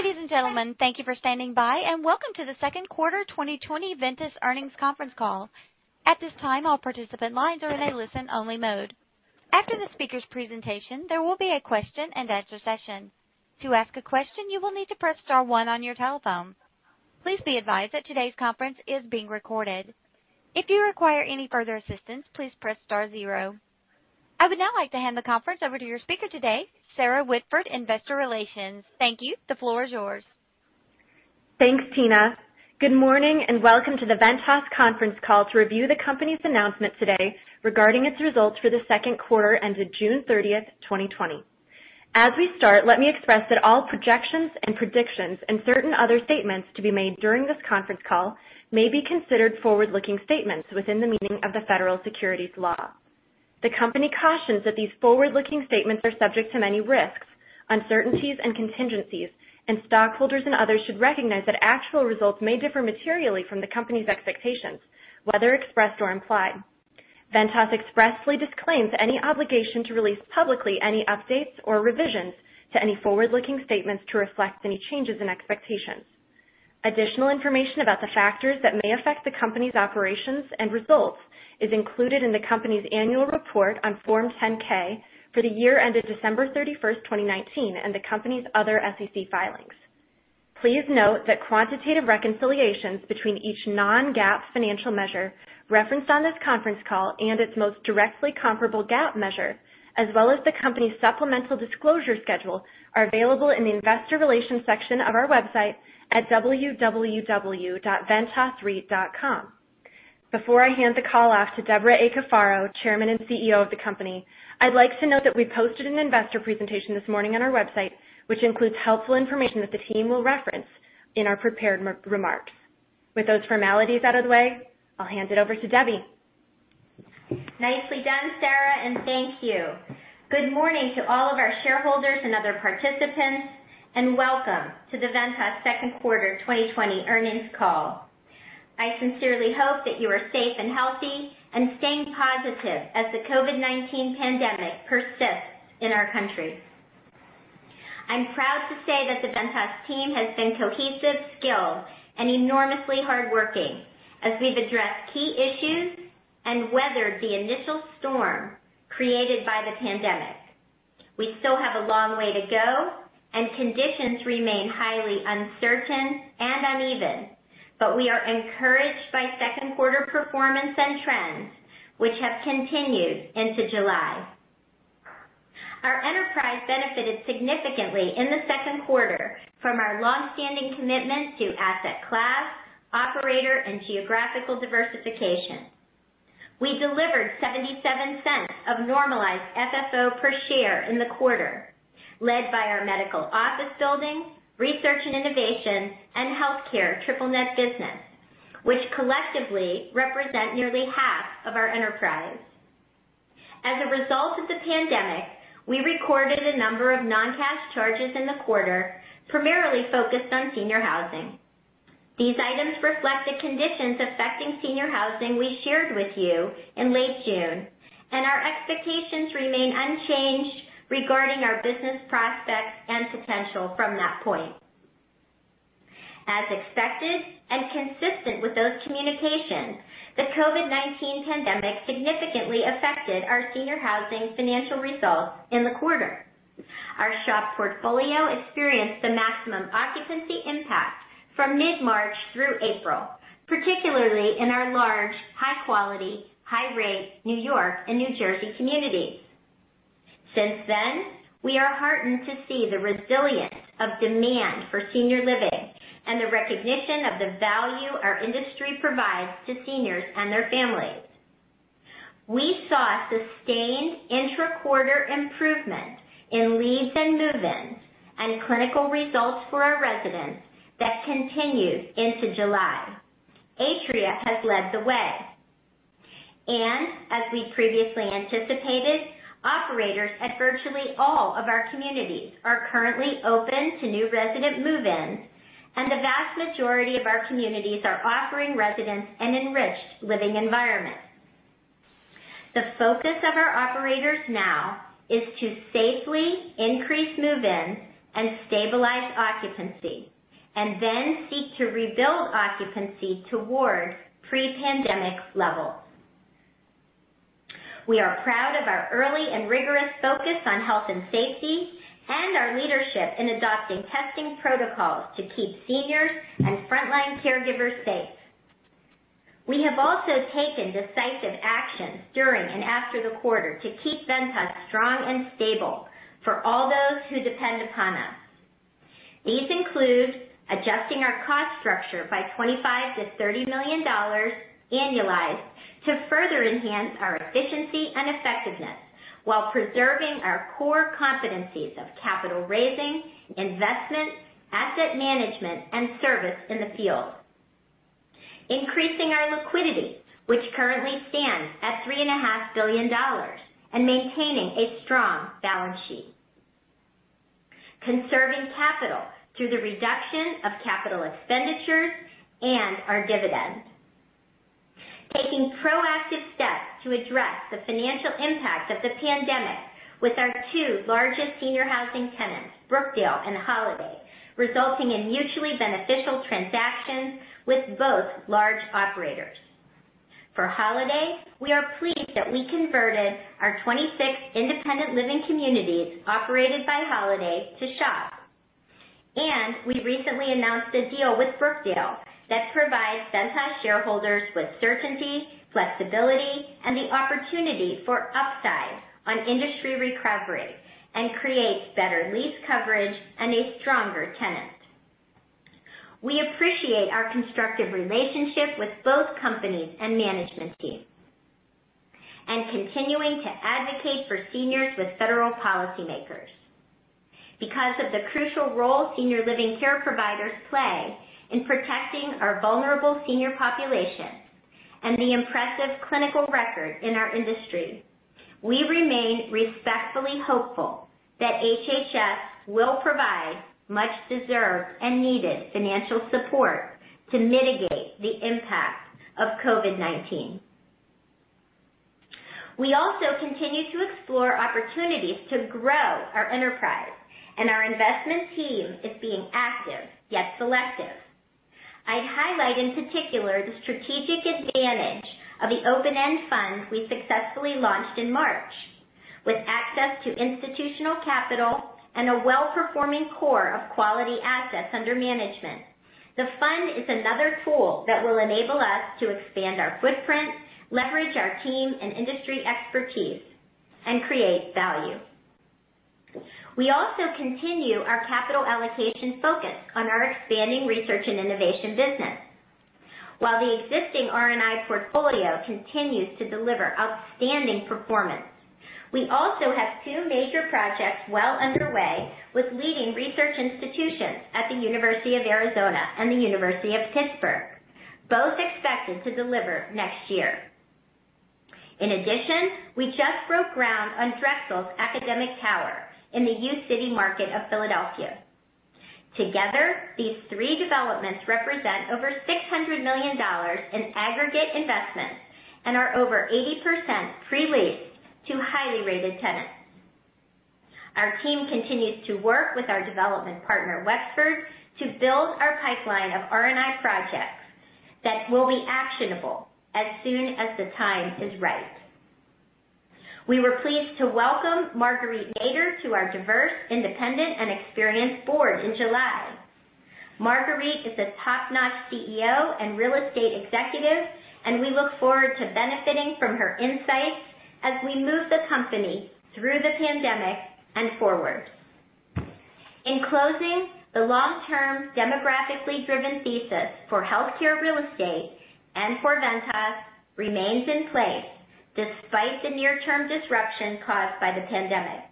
Ladies and gentlemen, thank you for standing by, and welcome to the second quarter 2020 Ventas Earnings Conference Call. At this time, all participant lines are in a listen-only mode. After the speaker's presentation, there will be a question-and-answer session. To ask a question, you will need to press star one on your telephone. Please be advised that today's conference is being recorded. If you require any further assistance, please press star zero. I would now like to hand the conference over to your speaker today, Sarah Whitford, Investor Relations. Thank you. The floor is yours. Thanks, Tina. Good morning and welcome to the Ventas conference call to review the company's announcement today regarding its results for the second quarter ended June 30th, 2020. As we start, let me express that all projections and predictions and certain other statements to be made during this conference call may be considered forward-looking statements within the meaning of the federal securities law. The company cautions that these forward-looking statements are subject to many risks, uncertainties, and contingencies, and stockholders and others should recognize that actual results may differ materially from the company's expectations, whether expressed or implied. Ventas expressly disclaims any obligation to release publicly any updates or revisions to any forward-looking statements to reflect any changes in expectations. Additional information about the factors that may affect the company's operations and results is included in the company's annual report on Form 10-K for the year ended December 31st, 2019, and the company's other SEC filings. Please note that quantitative reconciliations between each non-GAAP financial measure referenced on this conference call and its most directly comparable GAAP measure, as well as the company's supplemental disclosure schedule, are available in the investor relations section of our website at www.ventasreit.com. Before I hand the call off to Debra A. Cafaro, Chairman and CEO of the company, I'd like to note that we posted an investor presentation this morning on our website, which includes helpful information that the team will reference in our prepared remarks. With those formalities out of the way, I'll hand it over to Debbie. Nicely done, Sarah, and thank you. Good morning to all of our shareholders and other participants, and welcome to the Ventas second quarter 2020 earnings call. I sincerely hope that you are safe and healthy and staying positive as the COVID-19 pandemic persists in our country. I'm proud to say that the Ventas team has been cohesive, skilled, and enormously hardworking as we've addressed key issues and weathered the initial storm created by the pandemic. We still have a long way to go, and conditions remain highly uncertain and uneven, but we are encouraged by second quarter performance and trends, which have continued into July. Our enterprise benefited significantly in the second quarter from our longstanding commitment to asset class, operator, and geographical diversification. We delivered $0.77 of normalized FFO per share in the quarter, led by our medical office building, research and innovation, and healthcare triple net business, which collectively represent nearly half of our enterprise. As a result of the pandemic, we recorded a number of non-cash charges in the quarter, primarily focused on senior housing. These items reflect the conditions affecting senior housing we shared with you in late June. Our expectations remain unchanged regarding our business prospects and potential from that point. As expected and consistent with those communications, the COVID-19 pandemic significantly affected our senior housing financial results in the quarter. Our SHOP portfolio experienced the maximum occupancy impact from mid-March through April, particularly in our large, high quality, high rate New York and New Jersey communities. Since then, we are heartened to see the resilience of demand for senior living and the recognition of the value our industry provides to seniors and their families. We saw sustained intra-quarter improvement in leads and move-ins and clinical results for our residents that continues into July. Atria has led the way. As we previously anticipated, operators at virtually all of our communities are currently open to new resident move-ins, and the vast majority of our communities are offering residents an enriched living environment. The focus of our operators now is to safely increase move-ins and stabilize occupancy and then seek to rebuild occupancy toward pre-pandemic levels. We are proud of our early and rigorous focus on health and safety and our leadership in adopting testing protocols to keep seniors and frontline caregivers safe. We have also taken decisive actions during and after the quarter to keep Ventas strong and stable for all those who depend upon us. These include adjusting our cost structure by $25 million-$30 million annualized to further enhance our efficiency and effectiveness while preserving our core competencies of capital raising, investment, asset management, and service in the field. Increasing our liquidity, which currently stands at $3.5 billion, and maintaining a strong balance sheet. Conserving capital through the reduction of capital expenditures and our dividend. Taking proactive steps to address the financial impact of the pandemic with our two largest senior housing tenants, Brookdale Senior Living and Holiday Retirement, resulting in mutually beneficial transactions with both large operators. For Holiday Retirement, we are pleased that we converted our 26 independent living communities operated by Holiday Retirement to SHOP. We recently announced a deal with Brookdale that provides Ventas shareholders with certainty, flexibility, and the opportunity for upside on industry recovery, and creates better lease coverage and a stronger tenant. We appreciate our constructive relationship with both companies and management teams, continuing to advocate for seniors with federal policymakers. Because of the crucial role senior living care providers play in protecting our vulnerable senior population and the impressive clinical record in our industry, we remain respectfully hopeful that HHS will provide much-deserved and needed financial support to mitigate the impact of COVID-19. We also continue to explore opportunities to grow our enterprise, our investment team is being active, yet selective. I'd highlight in particular the strategic advantage of the open-end funds we successfully launched in March. With access to institutional capital and a well-performing core of quality assets under management, the fund is another tool that will enable us to expand our footprint, leverage our team and industry expertise, and create value. We also continue our capital allocation focus on our expanding research and innovation business. While the existing R&I portfolio continues to deliver outstanding performance, we also have two major projects well underway with leading research institutions at the University of Arizona and the University of Pittsburgh, both expected to deliver next year. In addition, we just broke ground on Drexel's academic tower in the U City market of Philadelphia. Together, these three developments represent over $600 million in aggregate investments and are over 80% pre-leased to highly rated tenants. Our team continues to work with our development partner, Wexford, to build our pipeline of R&I projects that will be actionable as soon as the time is right. We were pleased to welcome Marguerite Nader to our diverse, independent, and experienced board in July. We look forward to benefiting from her insights as we move the company through the pandemic and forward. In closing, the long-term demographically driven thesis for healthcare real estate and for Ventas remains in place despite the near-term disruption caused by the pandemic.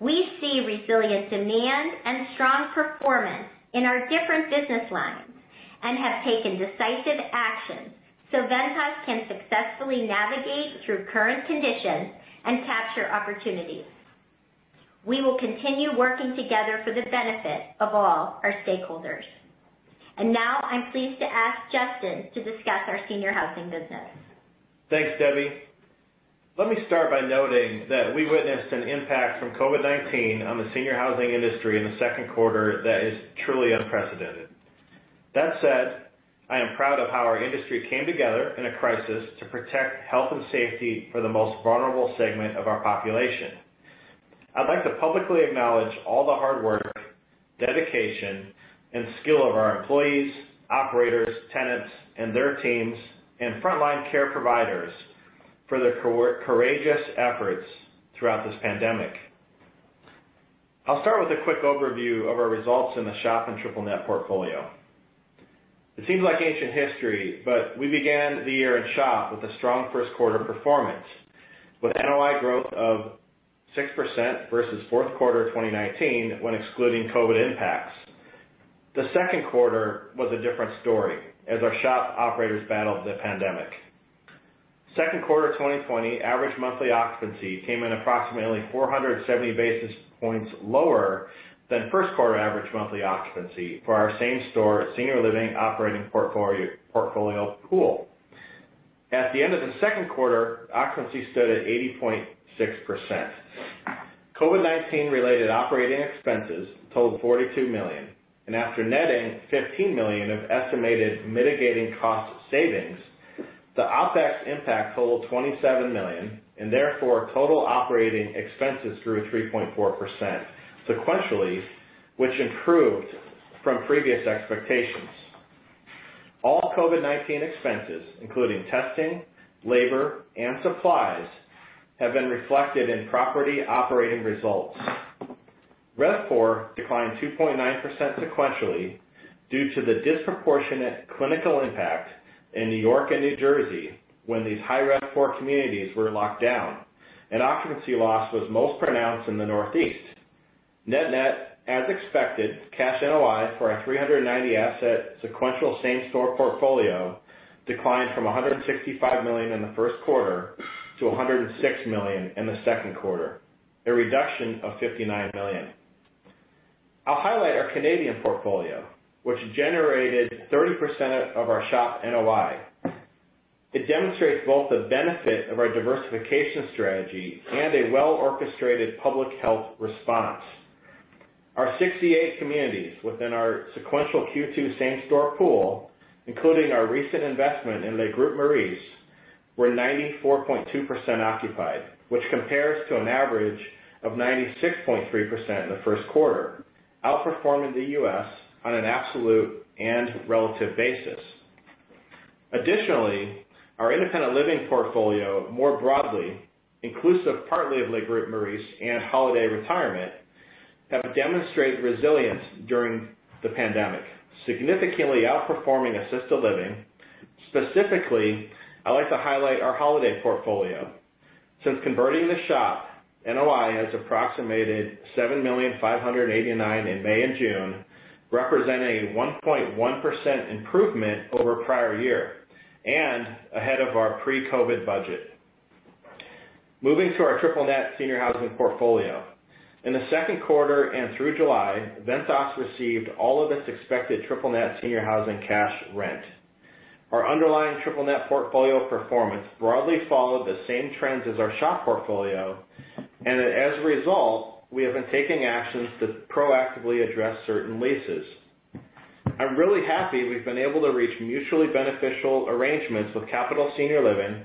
We see resilient demand and strong performance in our different business lines and have taken decisive action so Ventas can successfully navigate through current conditions and capture opportunities. We will continue working together for the benefit of all our stakeholders. Now I'm pleased to ask Justin to discuss our senior housing business. Thanks, Debbie. Let me start by noting that we witnessed an impact from COVID-19 on the senior housing industry in the second quarter that is truly unprecedented. That said, I am proud of how our industry came together in a crisis to protect health and safety for the most vulnerable segment of our population. I'd like to publicly acknowledge all the hard work, dedication, and skill of our employees, operators, tenants, and their teams and frontline care providers for their courageous efforts throughout this pandemic. I'll start with a quick overview of our results in the SHOP and triple net portfolio. It seems like ancient history, but we began the year in SHOP with a strong first quarter performance, with NOI growth of 6% versus fourth quarter 2019 when excluding COVID impacts. The second quarter was a different story as our SHOP operators battled the pandemic. Second quarter 2020 average monthly occupancy came in approximately 470 basis points lower than first quarter average monthly occupancy for our same store senior living operating portfolio pool. At the end of the second quarter, occupancy stood at 80.6%. COVID-19 related operating expenses totaled $42 million, and after netting $15 million of estimated mitigating cost savings, the OpEx impact totaled $27 million, and therefore, total operating expenses grew 3.4% sequentially, which improved from previous expectations. All COVID-19 expenses, including testing, labor, and supplies, have been reflected in property operating results. RevPOR declined 2.9% sequentially due to the disproportionate clinical impact in New York and New Jersey when these high RevPOR communities were locked down, and occupancy loss was most pronounced in the Northeast. Net-net, as expected, cash NOI for our 390-asset sequential same store portfolio declined from $165 million in the first quarter to $106 million in the second quarter, a reduction of $59 million. I'll highlight our Canadian portfolio, which generated 30% of our SHOP NOI. It demonstrates both the benefit of our diversification strategy and a well-orchestrated public health response. Our 68 communities within our sequential Q2 same-store pool, including our recent investment in Le Groupe Maurice, were 94.2% occupied, which compares to an average of 96.3% in the first quarter, outperforming the U.S. on an absolute and relative basis. Our independent living portfolio, more broadly, inclusive partly of Le Groupe Maurice and Holiday Retirement, have demonstrated resilience during the pandemic, significantly outperforming assisted living. Specifically, I'd like to highlight our Holiday portfolio. Since converting to SHOP, NOI has approximated $7,000,589 in May and June, representing a 1.1% improvement over prior year, and ahead of our pre-COVID budget. Moving to our triple net senior housing portfolio. In the second quarter and through July, Ventas received all of its expected triple net senior housing cash rent. Our underlying triple net portfolio performance broadly followed the same trends as our SHOP portfolio, and as a result, we have been taking actions to proactively address certain leases. I'm really happy we've been able to reach mutually beneficial arrangements with Capital Senior Living,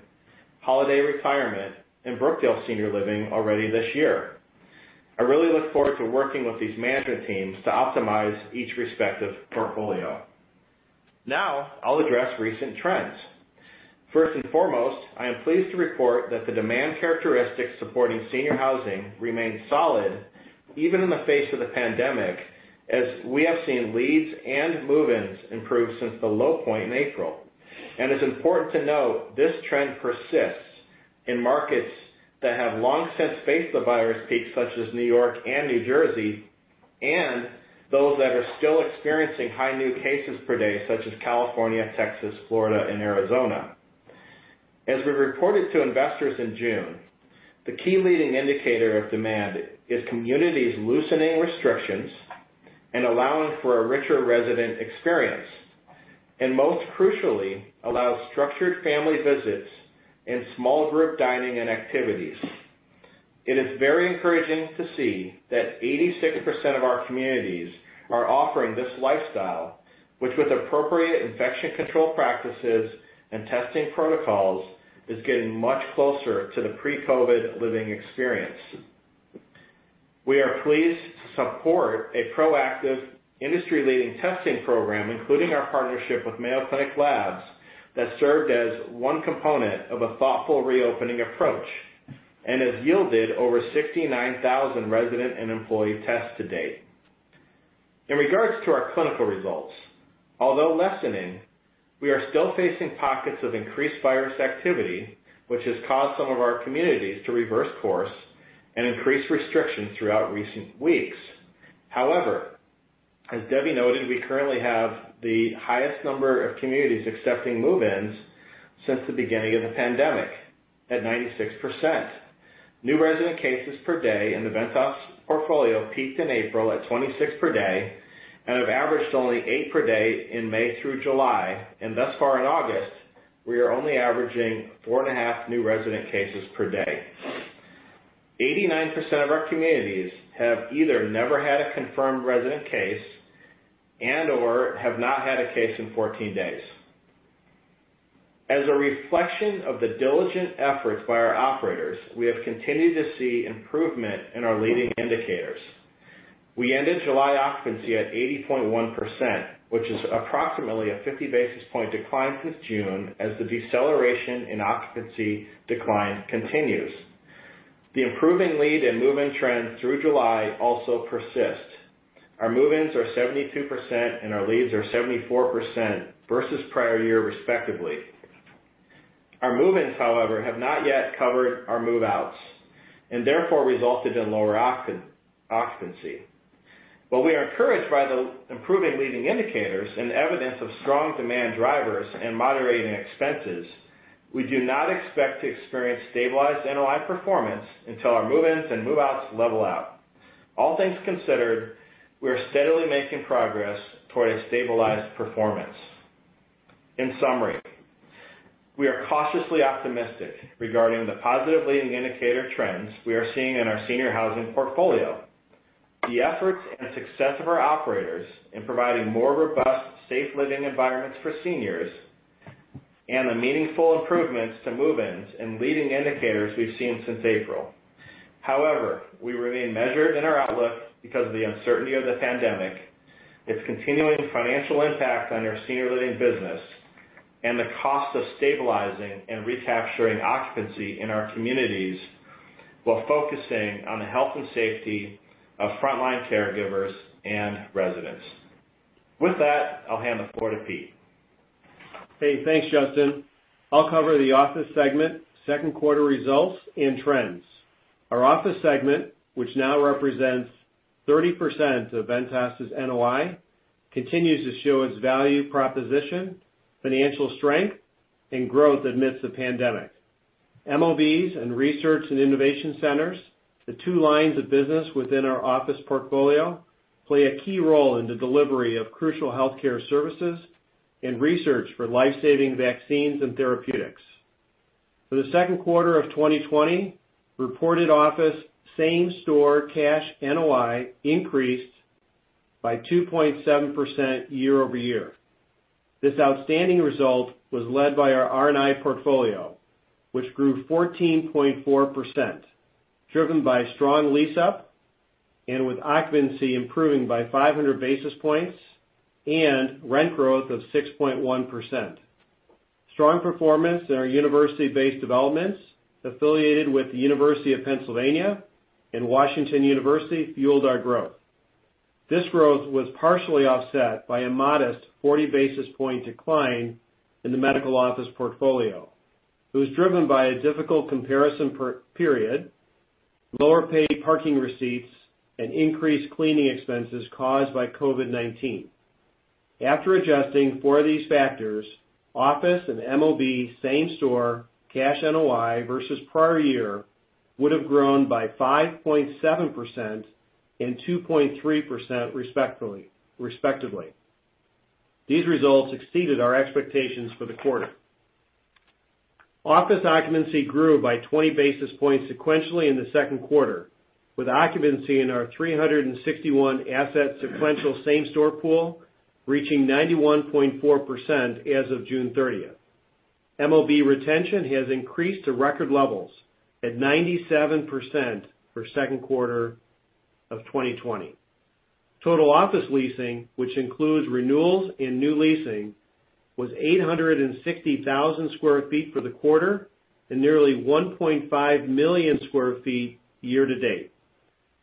Holiday Retirement, and Brookdale Senior Living already this year. I really look forward to working with these management teams to optimize each respective portfolio. Now, I'll address recent trends. First and foremost, I am pleased to report that the demand characteristics supporting senior housing remain solid even in the face of the pandemic, as we have seen leads and move-ins improve since the low point in April. It's important to note, this trend persists in markets that have long since faced the virus peak, such as New York and New Jersey, and those that are still experiencing high new cases per day, such as California, Texas, Florida, and Arizona. As we reported to investors in June, the key leading indicator of demand is communities loosening restrictions and allowing for a richer resident experience. Most crucially, allows structured family visits and small group dining and activities. It is very encouraging to see that 86% of our communities are offering this lifestyle, which with appropriate infection control practices and testing protocols, is getting much closer to the pre-COVID-19 living experience. We are pleased to support a proactive industry-leading testing program, including our partnership with Mayo Clinic Laboratories that served as one component of a thoughtful reopening approach, and has yielded over 69,000 resident and employee tests to date. In regards to our clinical results, although lessening, we are still facing pockets of increased virus activity, which has caused some of our communities to reverse course and increase restrictions throughout recent weeks. However, as Debbie noted, we currently have the highest number of communities accepting move-ins since the beginning of the pandemic, at 96%. New resident cases per day in the Ventas portfolio peaked in April at 26 per day, and have averaged only eight per day in May through July, and thus far in August, we are only averaging four and a half new resident cases per day. 89% of our communities have either never had a confirmed resident case and/or have not had a case in 14 days. As a reflection of the diligent efforts by our operators, we have continued to see improvement in our leading indicators. We ended July occupancy at 80.1%, which is approximately a 50-basis point decline since June as the deceleration in occupancy decline continues. The improving lead and move-in trends through July also persist. Our move-ins are 72% and our leads are 74% versus prior year respectively. Our move-ins, however, have not yet covered our move-outs, and therefore resulted in lower occupancy. We are encouraged by the improving leading indicators and evidence of strong demand drivers and moderating expenses. We do not expect to experience stabilized NOI performance until our move-ins and move-outs level out. All things considered, we are steadily making progress toward a stabilized performance. In summary, we are cautiously optimistic regarding the positive leading indicator trends we are seeing in our senior housing portfolio. The efforts and success of our operators in providing more robust, safe living environments for seniors, and the meaningful improvements to move-ins and leading indicators we've seen since April. We remain measured in our outlook because of the uncertainty of the pandemic, its continuing financial impact on our senior living business, and the cost of stabilizing and recapturing occupancy in our communities while focusing on the health and safety of frontline caregivers and residents. With that, I'll hand the floor to Pete. Hey, thanks, Justin. I'll cover the office segment, second quarter results, and trends. Our office segment, which now represents 30% of Ventas' NOI, continues to show its value proposition, financial strength, and growth amidst the pandemic. MOBs and research and innovation centers, the two lines of business within our office portfolio, play a key role in the delivery of crucial healthcare services and research for life-saving vaccines and therapeutics. For the second quarter of 2020, reported office same-store cash NOI increased by 2.7% year-over-year. This outstanding result was led by our R&I portfolio, which grew 14.4%, driven by strong lease up and with occupancy improving by 500 basis points and rent growth of 6.1%. Strong performance in our university-based developments affiliated with the University of Pennsylvania and Washington University fueled our growth. This growth was partially offset by a modest 40 basis point decline in the medical office portfolio. It was driven by a difficult comparison period, lower paid parking receipts, and increased cleaning expenses caused by COVID-19. After adjusting for these factors, office and MOB same store cash NOI versus prior year would have grown by 5.7% and 2.3% respectively. These results exceeded our expectations for the quarter. Office occupancy grew by 20 basis points sequentially in the second quarter, with occupancy in our 361 asset sequential same-store pool reaching 91.4% as of June 30th. MOB retention has increased to record levels at 97% for second quarter of 2020. Total office leasing, which includes renewals and new leasing, was 860,000 sq ft for the quarter and nearly 1.5 million square feet year to date.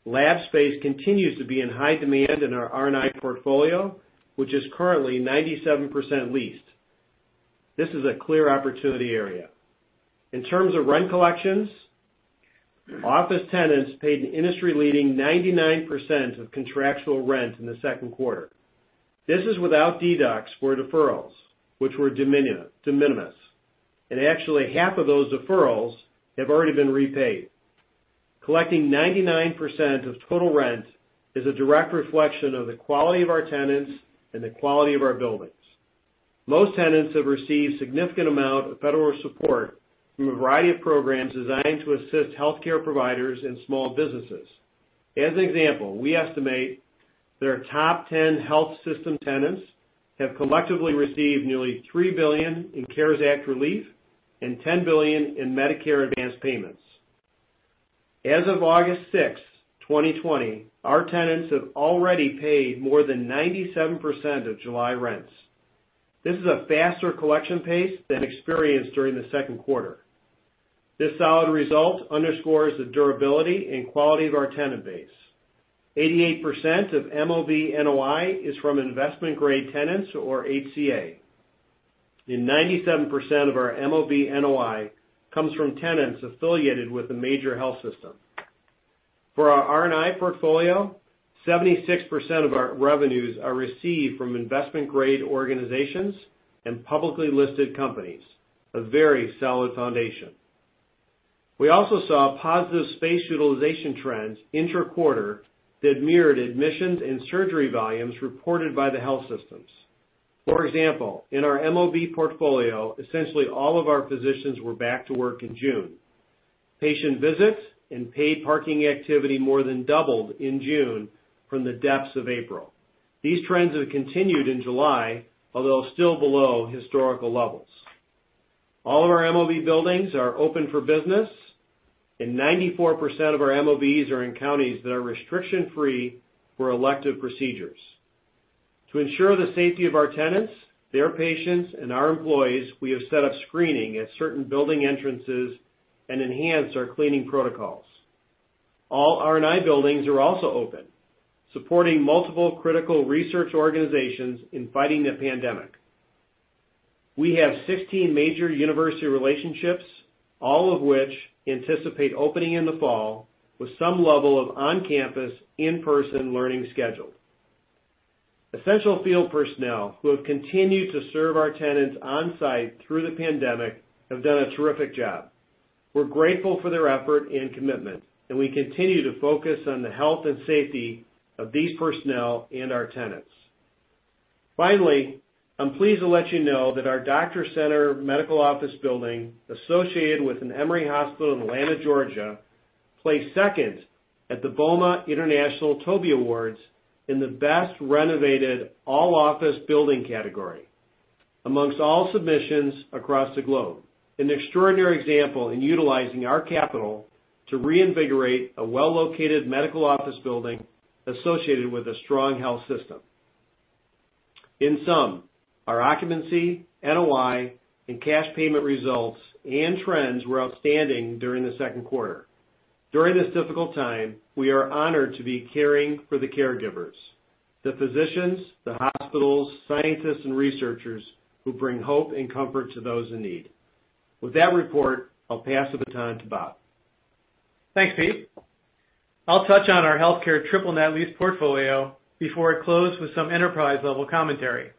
Lab space continues to be in high demand in our R&I portfolio, which is currently 97% leased. This is a clear opportunity area. In terms of rent collections, office tenants paid an industry-leading 99% of contractual rent in the second quarter. This is without deducts for deferrals, which were de minimis. Actually, half of those deferrals have already been repaid. Collecting 99% of total rent is a direct reflection of the quality of our tenants and the quality of our buildings. Most tenants have received significant amount of federal support from a variety of programs designed to assist healthcare providers and small businesses. As an example, we estimate their top 10 health system tenants have collectively received nearly $3 billion in CARES Act relief and $10 billion in Medicare advanced payments. As of August 6, 2020, our tenants have already paid more than 97% of July rents. This is a faster collection pace than experienced during the second quarter. This solid result underscores the durability and quality of our tenant base. 88% of MOB NOI is from investment-grade tenants or HCA. 97% of our MOB NOI comes from tenants affiliated with a major health system. For our R&I portfolio, 76% of our revenues are received from investment-grade organizations and publicly listed companies, a very solid foundation. We also saw positive space utilization trends intra-quarter that mirrored admissions and surgery volumes reported by the health systems. For example, in our MOB portfolio, essentially all of our physicians were back to work in June. Patient visits and paid parking activity more than doubled in June from the depths of April. These trends have continued in July, although still below historical levels. All of our MOB buildings are open for business, and 94% of our MOBs are in counties that are restriction-free for elective procedures. To ensure the safety of our tenants, their patients, and our employees, we have set up screening at certain building entrances and enhanced our cleaning protocols. All R&I buildings are also open, supporting multiple critical research organizations in fighting the pandemic. We have 16 major university relationships, all of which anticipate opening in the fall with some level of on-campus, in-person learning scheduled. Essential field personnel who have continued to serve our tenants on-site through the pandemic have done a terrific job. We're grateful for their effort and commitment, and we continue to focus on the health and safety of these personnel and our tenants. Finally, I'm pleased to let you know that our Doctors Center medical office building associated with an Emory Hospital in Atlanta, Georgia, placed second at the BOMA International TOBY Awards in the best renovated all office building category amongst all submissions across the globe. An extraordinary example in utilizing our capital to reinvigorate a well-located medical office building associated with a strong health system. In sum, our occupancy, NOI, and cash payment results and trends were outstanding during the second quarter. During this difficult time, we are honored to be caring for the caregivers, the physicians, the hospitals, scientists, and researchers who bring hope and comfort to those in need. With that report, I'll pass the baton to Bob. Thanks, Pete. I'll touch on our healthcare triple net lease portfolio before I close with some enterprise level commentary.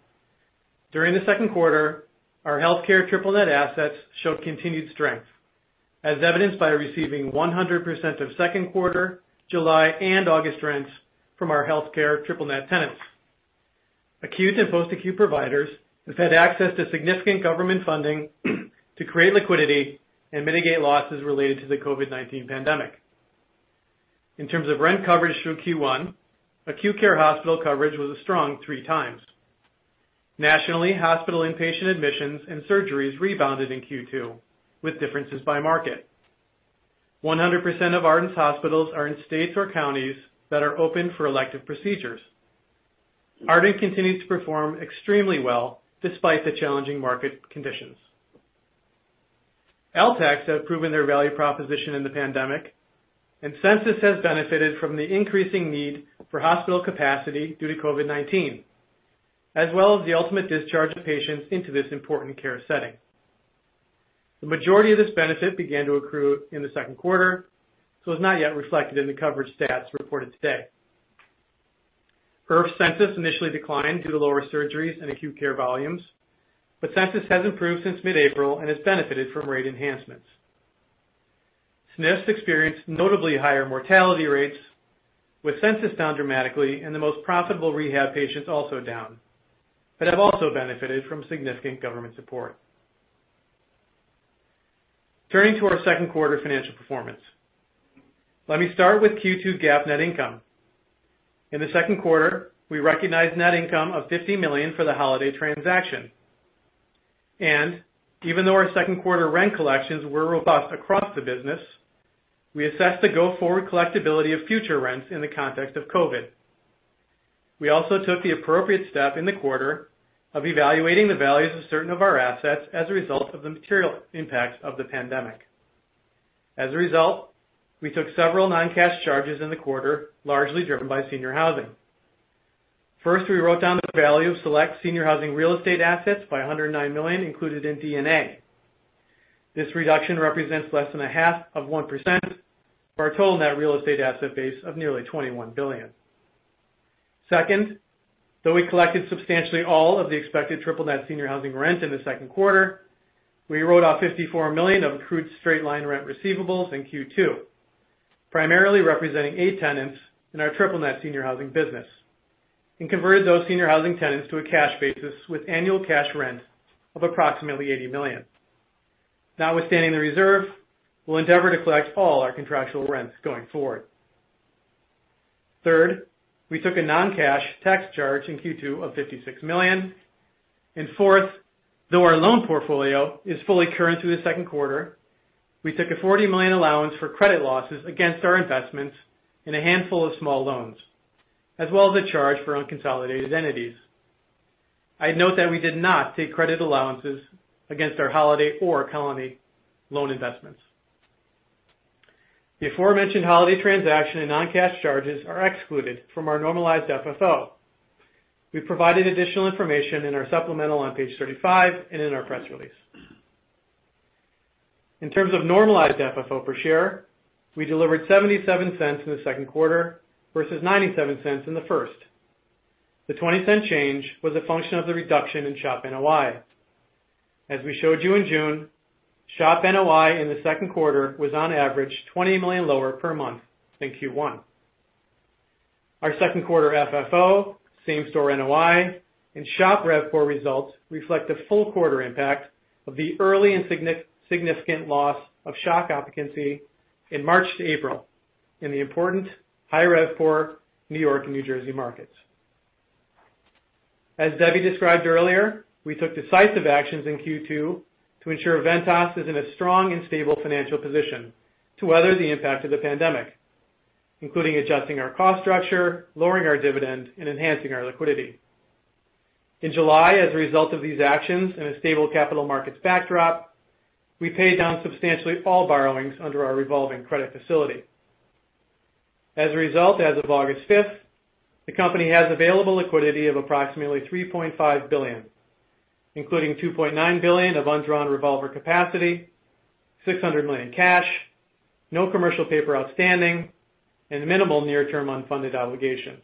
During the second quarter, our healthcare triple net assets showed continued strength, as evidenced by receiving 100% of second quarter, July, and August rents from our healthcare triple net tenants. Acute and post-acute providers have had access to significant government funding to create liquidity and mitigate losses related to the COVID-19 pandemic. In terms of rent coverage through Q1, acute care hospital coverage was a strong 3x. Nationally, hospital in-patient admissions and surgeries rebounded in Q2, with differences by market. 100% of Ardent's hospitals are in states or counties that are open for elective procedures. Ardent continues to perform extremely well despite the challenging market conditions. LTACs have proven their value proposition in the pandemic, and census has benefited from the increasing need for hospital capacity due to COVID-19, as well as the ultimate discharge of patients into this important care setting. The majority of this benefit began to accrue in the second quarter, so it's not yet reflected in the coverage stats reported today. IRF Census initially declined due to lower surgeries and acute care volumes, but census has improved since mid-April and has benefited from rate enhancements. SNFs experienced notably higher mortality rates, with census down dramatically and the most profitable rehab patients also down, but have also benefited from significant government support. Turning to our second quarter financial performance. Let me start with Q2 GAAP net income. In the second quarter, we recognized net income of $50 million for the Holiday transaction. Even though our second quarter rent collections were robust across the business, we assessed the go-forward collectibility of future rents in the context of COVID. We also took the appropriate step in the quarter of evaluating the values of certain of our assets as a result of the material impact of the pandemic. As a result, we took several non-cash charges in the quarter, largely driven by senior housing. First, we wrote down the value of select senior housing real estate assets by $109 million included in D&A. This reduction represents less than a half of 1% of our total net real estate asset base of nearly $21 billion. Though we collected substantially all of the expected triple net senior housing rent in the second quarter, we wrote off $54 million of accrued straight-line rent receivables in Q2, primarily representing our tenants in our triple net senior housing business and converted those senior housing tenants to a cash basis with annual cash rent of approximately $80 million. Notwithstanding the reserve, we'll endeavor to collect all our contractual rents going forward. We took a non-cash tax charge in Q2 of $56 million. Though our loan portfolio is fully current through the second quarter, we took a $40 million allowance for credit losses against our investments in a handful of small loans, as well as a charge for unconsolidated entities. I'd note that we did not take credit allowances against our Holiday or Colony loan investments. The aforementioned Holiday transaction and non-cash charges are excluded from our normalized FFO. We provided additional information in our supplemental on page 35 and in our press release. In terms of normalized FFO per share, we delivered $0.77 in the second quarter versus $0.97 in the first. The $0.20 change was a function of the reduction in SHOP NOI. As we showed you in June, SHOP NOI in the second quarter was on average $20 million lower per month than Q1. Our second quarter FFO, same store NOI, and SHOP RevPOR results reflect the full quarter impact of the early and significant loss of SHOP occupancy in March to April in the important high RevPOR New York and New Jersey markets. As Debbie described earlier, we took decisive actions in Q2 to ensure Ventas is in a strong and stable financial position to weather the impact of the pandemic, including adjusting our cost structure, lowering our dividend, and enhancing our liquidity. In July, as a result of these actions in a stable capital markets backdrop, we paid down substantially all borrowings under our revolving credit facility. As a result, as of August 5th, the company has available liquidity of approximately $3.5 billion, including $2.9 billion of undrawn revolver capacity, $600 million cash, no commercial paper outstanding, and minimal near-term unfunded obligations.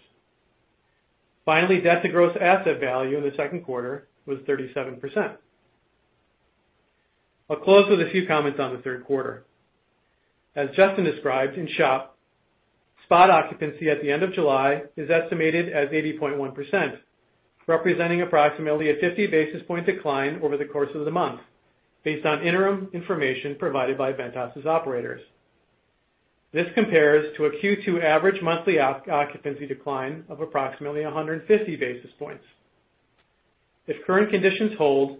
Finally, debt to gross asset value in the second quarter was 37%. I'll close with a few comments on the third quarter. As Justin described in SHOP, spot occupancy at the end of July is estimated as 80.1%, representing approximately a 50 basis point decline over the course of the month, based on interim information provided by Ventas's operators. This compares to a Q2 average monthly occupancy decline of approximately 150 basis points. If current conditions hold,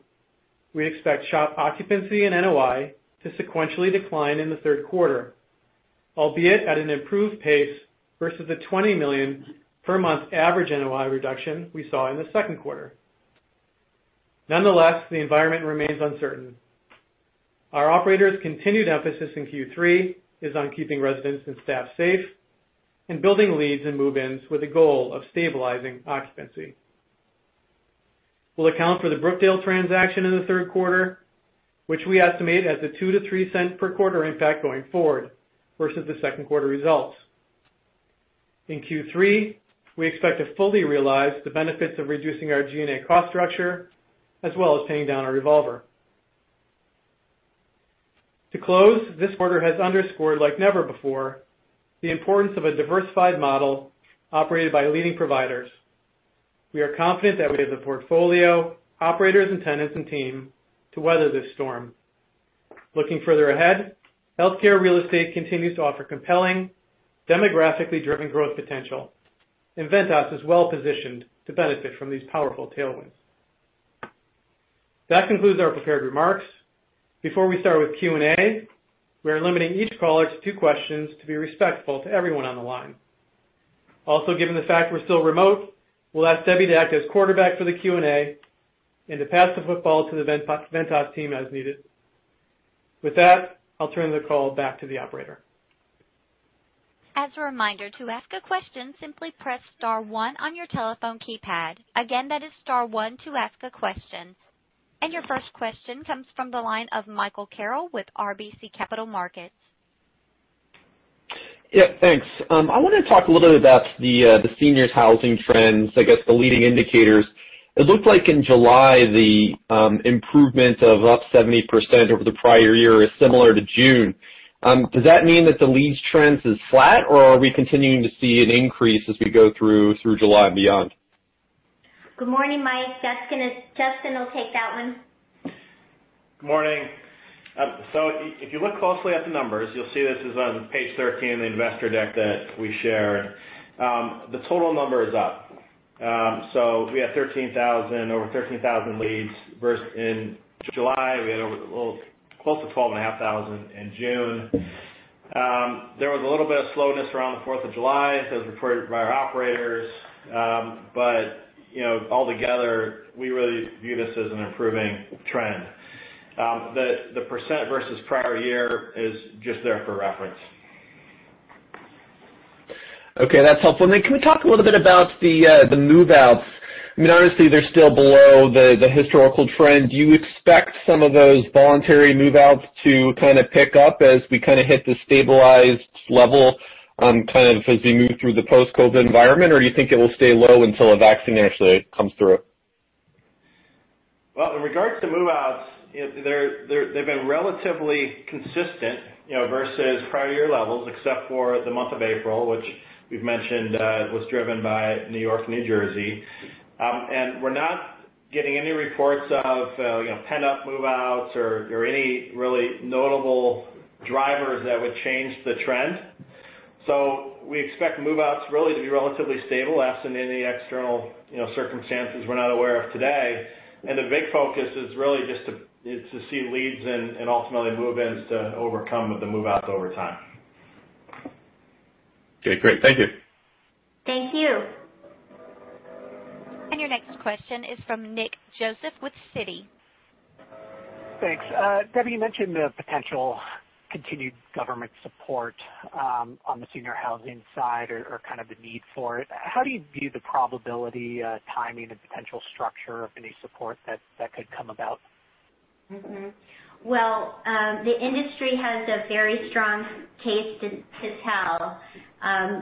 we expect SHOP occupancy and NOI to sequentially decline in the third quarter, albeit at an improved pace versus the $20 million per month average NOI reduction we saw in the second quarter. Nonetheless, the environment remains uncertain. Our operators' continued emphasis in Q3 is on keeping residents and staff safe and building leads and move-ins with the goal of stabilizing occupancy. We will account for the Brookdale transaction in the third quarter, which we estimate as a $0.02-$0.03 per quarter impact going forward versus the second quarter results. In Q3, we expect to fully realize the benefits of reducing our G&A cost structure, as well as paying down our revolver. To close, this quarter has underscored like never before, the importance of a diversified model operated by leading providers. We are confident that we have the portfolio, operators and tenants and team to weather this storm. Looking further ahead, healthcare real estate continues to offer compelling demographically driven growth potential, and Ventas is well-positioned to benefit from these powerful tailwinds. That concludes our prepared remarks. Before we start with Q&A, we are limiting each caller to two questions to be respectful to everyone on the line. Also, given the fact we're still remote, we'll ask Debbie to act as quarterback for the Q&A and to pass the football to the Ventas team as needed. With that, I'll turn the call back to the operator. As a reminder, to ask a question, simply press star one on your telephone keypad. Again, that is star one to ask a question. Your first question comes from the line of Michael Carroll with RBC Capital Markets. Yeah, thanks. I want to talk a little bit about the senior housing trends, I guess the leading indicators. It looks like in July, the improvement of up 70% over the prior year is similar to June. Does that mean that the leads trends is flat, or are we continuing to see an increase as we go through July and beyond? Good morning, Mike. Justin will take that one. Good morning. If you look closely at the numbers, you'll see this is on page 13 of the investor deck that we shared. The total number is up. We have over 13,000 leads versus in July, we had a little close to 12,500 in June. There was a little bit of slowness around the 4th of July, as reported by our operators. Altogether, we really view this as an improving trend. The percent versus prior year is just there for reference. Okay, that's helpful. Can we talk a little bit about the move-outs? I mean, honestly, they're still below the historical trend. Do you expect some of those voluntary move-outs to kind of pick up as we kind of hit the stabilized level kind of as we move through the post-COVID environment? Do you think it will stay low until a vaccine actually comes through? Well, in regards to move-outs, they've been relatively consistent versus prior year levels except for the month of April, which we've mentioned was driven by New York, New Jersey. We're not getting any reports of pent up move-outs or any really notable drivers that would change the trend. We expect move-outs really to be relatively stable absent any external circumstances we're not aware of today. The big focus is really just to see leads and ultimately move-ins to overcome the move-outs over time. Okay, great. Thank you. Thank you. Your next question is from Nick Joseph with Citi. Thanks. Debbie, you mentioned the potential continued government support on the senior housing side or kind of the need for it. How do you view the probability, timing, and potential structure of any support that could come about? Well, the industry has a very strong case to tell.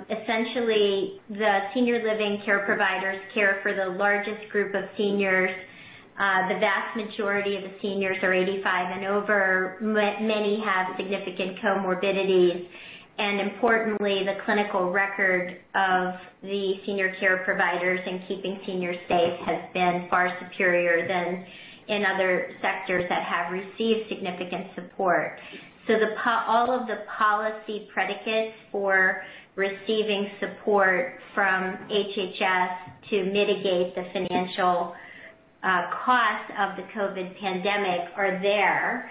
Essentially, the senior living care providers care for the largest group of seniors. The vast majority of the seniors are 85 and over. Many have significant comorbidities. Importantly, the clinical record of the senior care providers in keeping seniors safe has been far superior than in other sectors that have received significant support. All of the policy predicates for receiving support from HHS to mitigate the financial costs of the COVID pandemic are there.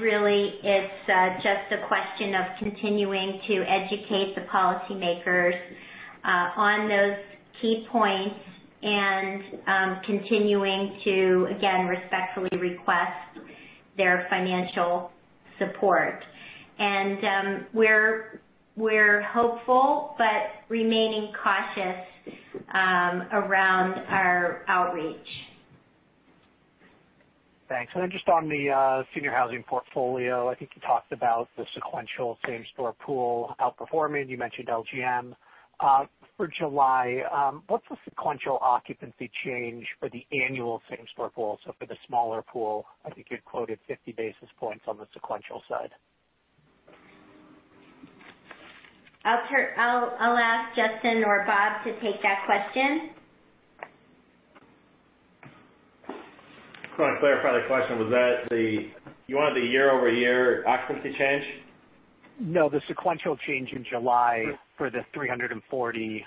Really, it's just a question of continuing to educate the policymakers on those key points and continuing to, again, respectfully request their financial support. We're hopeful, but remaining cautious around our outreach. Thanks. Just on the senior housing portfolio, I think you talked about the sequential same store pool outperforming. You mentioned LGM. For July, what's the sequential occupancy change for the annual same store pool? For the smaller pool, I think you had quoted 50 basis points on the sequential side. I'll ask Justin or Bob to take that question. I just want to clarify the question. You wanted the year-over-year occupancy change? No, the sequential change in July for the 340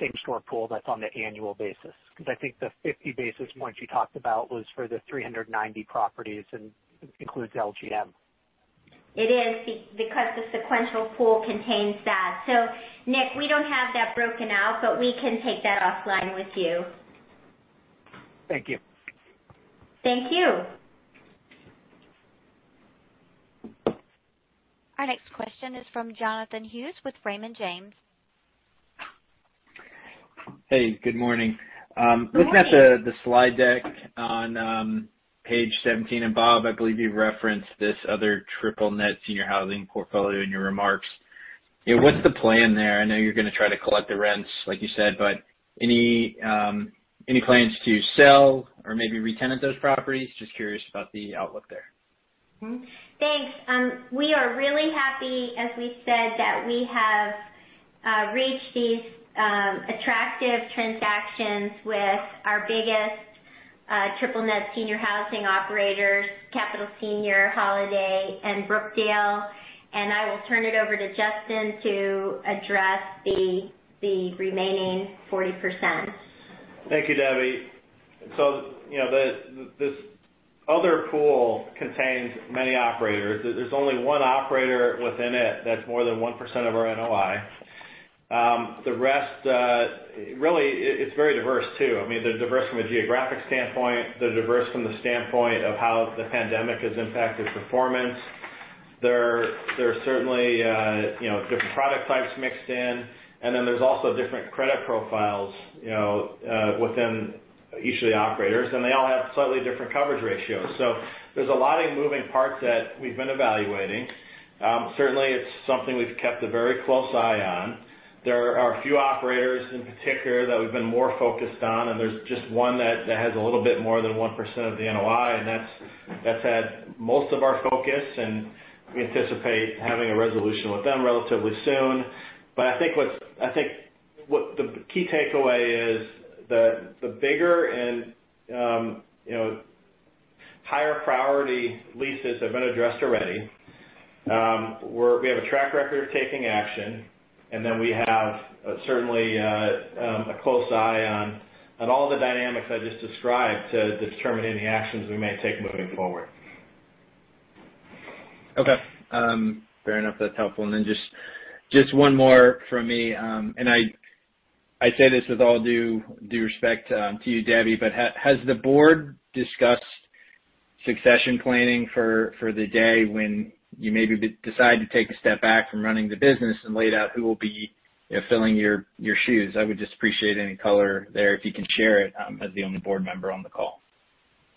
same-store pool that's on the annual basis. Because I think the 50 basis point you talked about was for the 390 properties, and includes LGM. It is because the sequential pool contains that. Nick, we don't have that broken out, but we can take that offline with you. Thank you. Thank you. Our next question is from Jonathan Hughes with Raymond James. Hey, good morning. Good morning. Looking at the slide deck on page 17, Bob, I believe you referenced this other triple net senior housing portfolio in your remarks. What's the plan there? I know you're going to try to collect the rents, like you said, but any plans to sell or maybe re-tenant those properties? Just curious about the outlook there. Thanks. We are really happy, as we said, that we have reached these attractive transactions with our biggest triple net senior housing operators, Capital Senior, Holiday, and Brookdale, and I will turn it over to Justin to address the remaining 40%. Thank you, Debbie. This other pool contains many operators. There's only one operator within it that's more than 1% of our NOI. The rest, it's very diverse too. They're diverse from a geographic standpoint. They're diverse from the standpoint of how the pandemic has impacted performance. There are certainly different product types mixed in, there's also different credit profiles within each of the operators, and they all have slightly different coverage ratios. There's a lot of moving parts that we've been evaluating. Certainly, it's something we've kept a very close eye on. There are a few operators in particular that we've been more focused on, there's just one that has a little bit more than 1% of the NOI, that's had most of our focus, and we anticipate having a resolution with them relatively soon. I think what the key takeaway is, the bigger and higher priority leases have been addressed already. We have a track record of taking action, and then we have certainly a close eye on all the dynamics I just described to determining the actions we may take moving forward. Okay. Fair enough. That's helpful. Just one more from me, I say this with all due respect to you, Debbie, has the board discussed succession planning for the day when you maybe decide to take a step back from running the business and laid out who will be filling your shoes? I would just appreciate any color there if you can share it as the only board member on the call.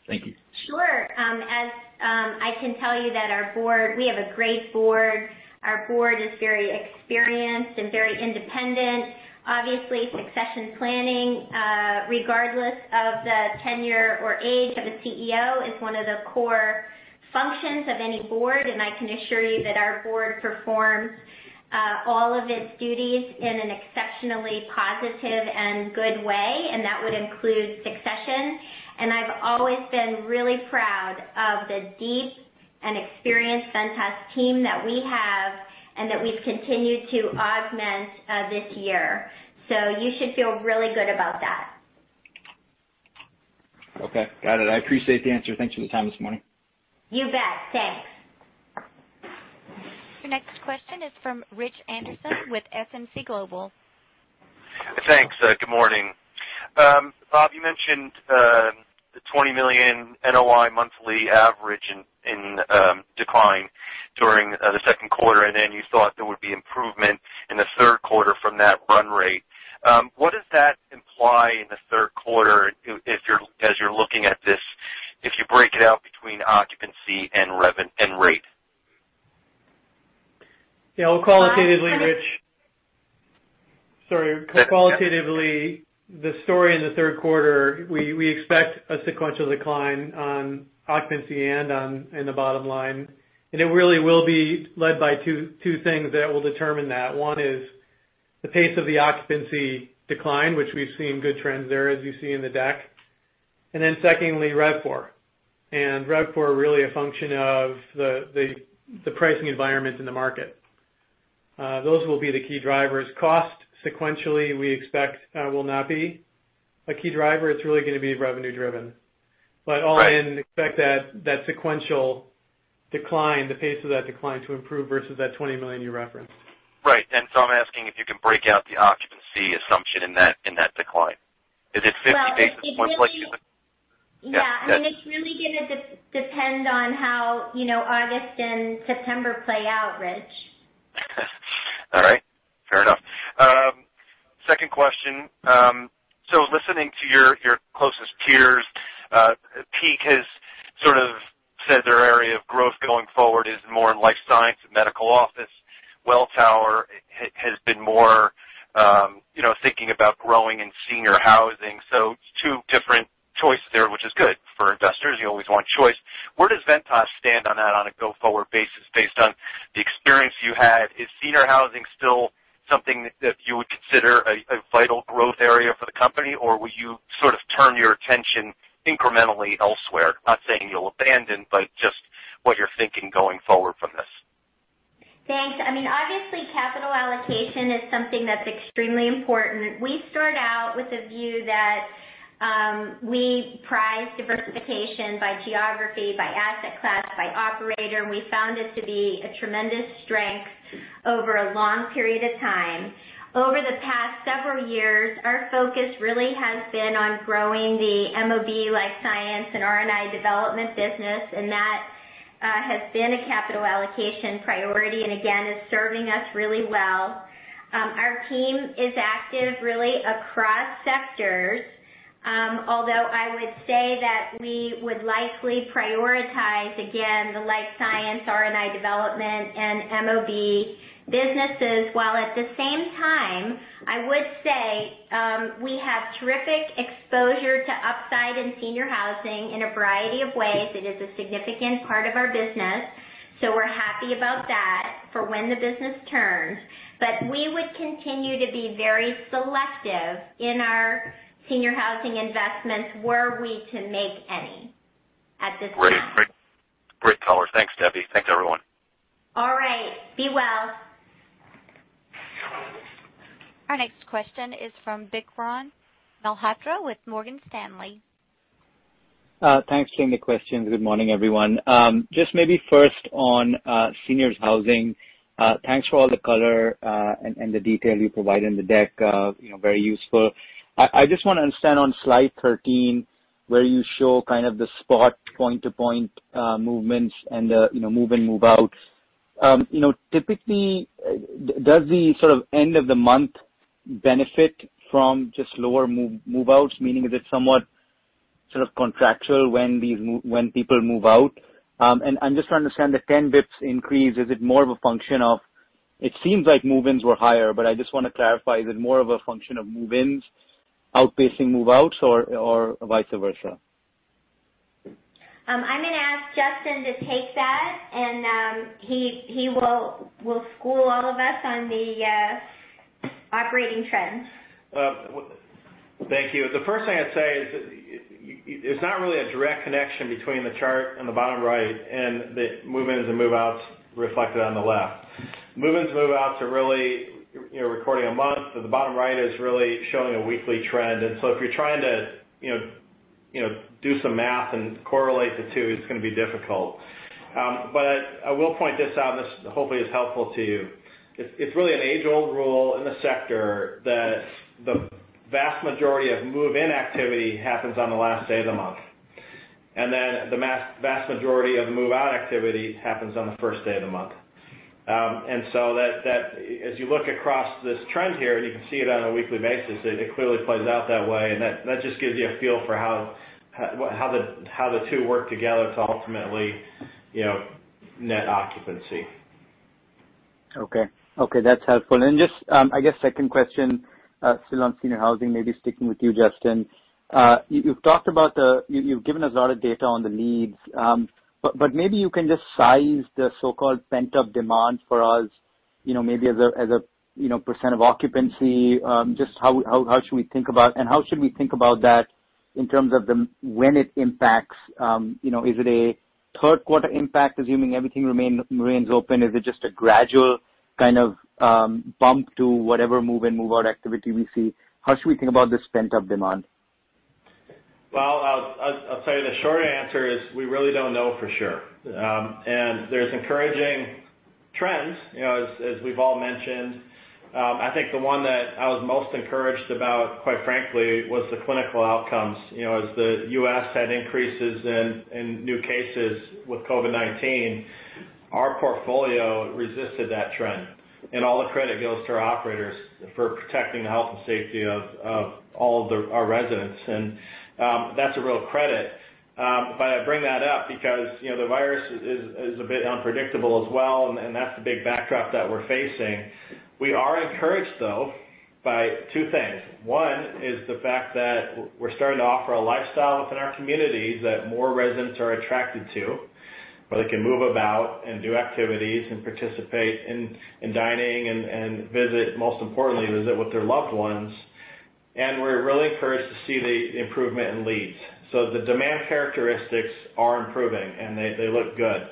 Thank you. Sure. I can tell you that our board, we have a great board. Our board is very experienced and very independent. Obviously, succession planning, regardless of the tenure or age of a CEO, is one of the core functions of any board. I can assure you that our board performs all of its duties in an exceptionally positive and good way. That would include succession. I've always been really proud of the deep and experienced Ventas team that we have and that we've continued to augment this year. You should feel really good about that. Okay, got it. I appreciate the answer. Thanks for the time this morning. You bet. Thanks. Your next question is from Rich Anderson with SMBC Nikko. Thanks. Good morning. Bob, you mentioned the $20 million NOI monthly average in decline during the second quarter, and then you thought there would be improvement in the third quarter from that run rate. What does that imply in the third quarter as you're looking at this, if you break it out between occupancy and rate? Yeah. Well, qualitatively, Rich- Bob? Sorry. Qualitatively, the story in the third quarter, we expect a sequential decline on occupancy and on the bottom line, and it really will be led by two things that will determine that. One is the pace of the occupancy decline, which we've seen good trends there as you see in the deck. Secondly, RevPOR. RevPOR really a function of the pricing environment in the market. Those will be the key drivers. Cost sequentially we expect will not be a key driver. It's really going to be revenue driven. All in, expect that sequential decline, the pace of that decline to improve versus that $20 million you referenced. Right. I'm asking if you can break out the occupancy assumption in that decline. Is it 50 basis points like you would- Yeah. Yeah. It's really going to depend on how August and September play out, Rich. All right. Fair enough. Second question. Listening to your closest peers, Peak has sort of said their area of growth going forward is more in life science and medical office. Welltower has been more thinking about growing in senior housing. It's two different choices there, which is good for investors. You always want choice. Where does Ventas stand on that on a go-forward basis based on the experience you had? Is senior housing still something that you would consider a vital growth area for the company, or will you sort of turn your attention incrementally elsewhere? Not saying you'll abandon, but just what you're thinking going forward from this. Thanks. Obviously, capital allocation is something that's extremely important. We start out with a view that we prize diversification by geography, by asset class, by operator. We found this to be a tremendous strength over a long period of time. Over the past several years, our focus really has been on growing the MOB life science and R&I development business. That has been a capital allocation priority and again, is serving us really well. Our team is active really across sectors. I would say that we would likely prioritize, again, the life science, R&I development, and MOB businesses, while at the same time, I would say we have terrific exposure to upside in senior housing in a variety of ways. It is a significant part of our business. We're happy about that for when the business turns. We would continue to be very selective in our senior housing investments were we to make any at this time. Great color. Thanks, Debbie. Thanks, everyone. All right. Be well. Our next question is from Vikram Malhotra with Morgan Stanley. Thanks for taking the question. Good morning, everyone. Just maybe first on seniors housing. Thanks for all the color and the detail you provided in the deck, very useful. I just want to understand on slide 13, where you show kind of the spot point-to-point movements and the move-in, move-outs. Typically, does the sort of end of the month benefit from just lower move-outs, meaning is it somewhat sort of contractual when people move out? I'm just trying to understand the 10 basis points increase. It seems like move-ins were higher, but I just want to clarify, is it more of a function of move-ins outpacing move-outs or vice versa? I'm going to ask Justin to take that, and he will school all of us on the operating trends. Thank you. The first thing I'd say is, it's not really a direct connection between the chart in the bottom right and the move-ins and move-outs reflected on the left. Move-ins, move-outs are really recording a month, but the bottom right is really showing a weekly trend. If you're trying to do some math and correlate the two, it's going to be difficult. I will point this out, and this hopefully is helpful to you. It's really an age-old rule in the sector that the vast majority of move-in activity happens on the last day of the month. The vast majority of move-out activity happens on the first day of the month. As you look across this trend here, and you can see it on a weekly basis, it clearly plays out that way, and that just gives you a feel for how the two work together to ultimately net occupancy. Okay. That's helpful. Just, I guess second question, still on senior housing, maybe sticking with you, Justin. You've given us a lot of data on the leads. Maybe you can just size the so-called pent-up demand for us, maybe as a percent of occupancy. Just how should we think about that in terms of the when it impacts? Is it a third quarter impact, assuming everything remains open? Is it just a gradual kind of bump to whatever move-in, move-out activity we see? How should we think about this pent-up demand? I'll tell you, the short answer is we really don't know for sure. There's encouraging trends, as we've all mentioned. I think the one that I was most encouraged about, quite frankly, was the clinical outcomes. As the U.S. had increases in new cases with COVID-19, our portfolio resisted that trend. All the credit goes to our operators for protecting the health and safety of all of our residents. That's a real credit. I bring that up because the virus is a bit unpredictable as well, and that's the big backdrop that we're facing. We are encouraged, though, by two things. One is the fact that we're starting to offer a lifestyle within our communities that more residents are attracted to, where they can move about and do activities and participate in dining and, most importantly, visit with their loved ones. We're really encouraged to see the improvement in leads. The demand characteristics are improving, and they look good.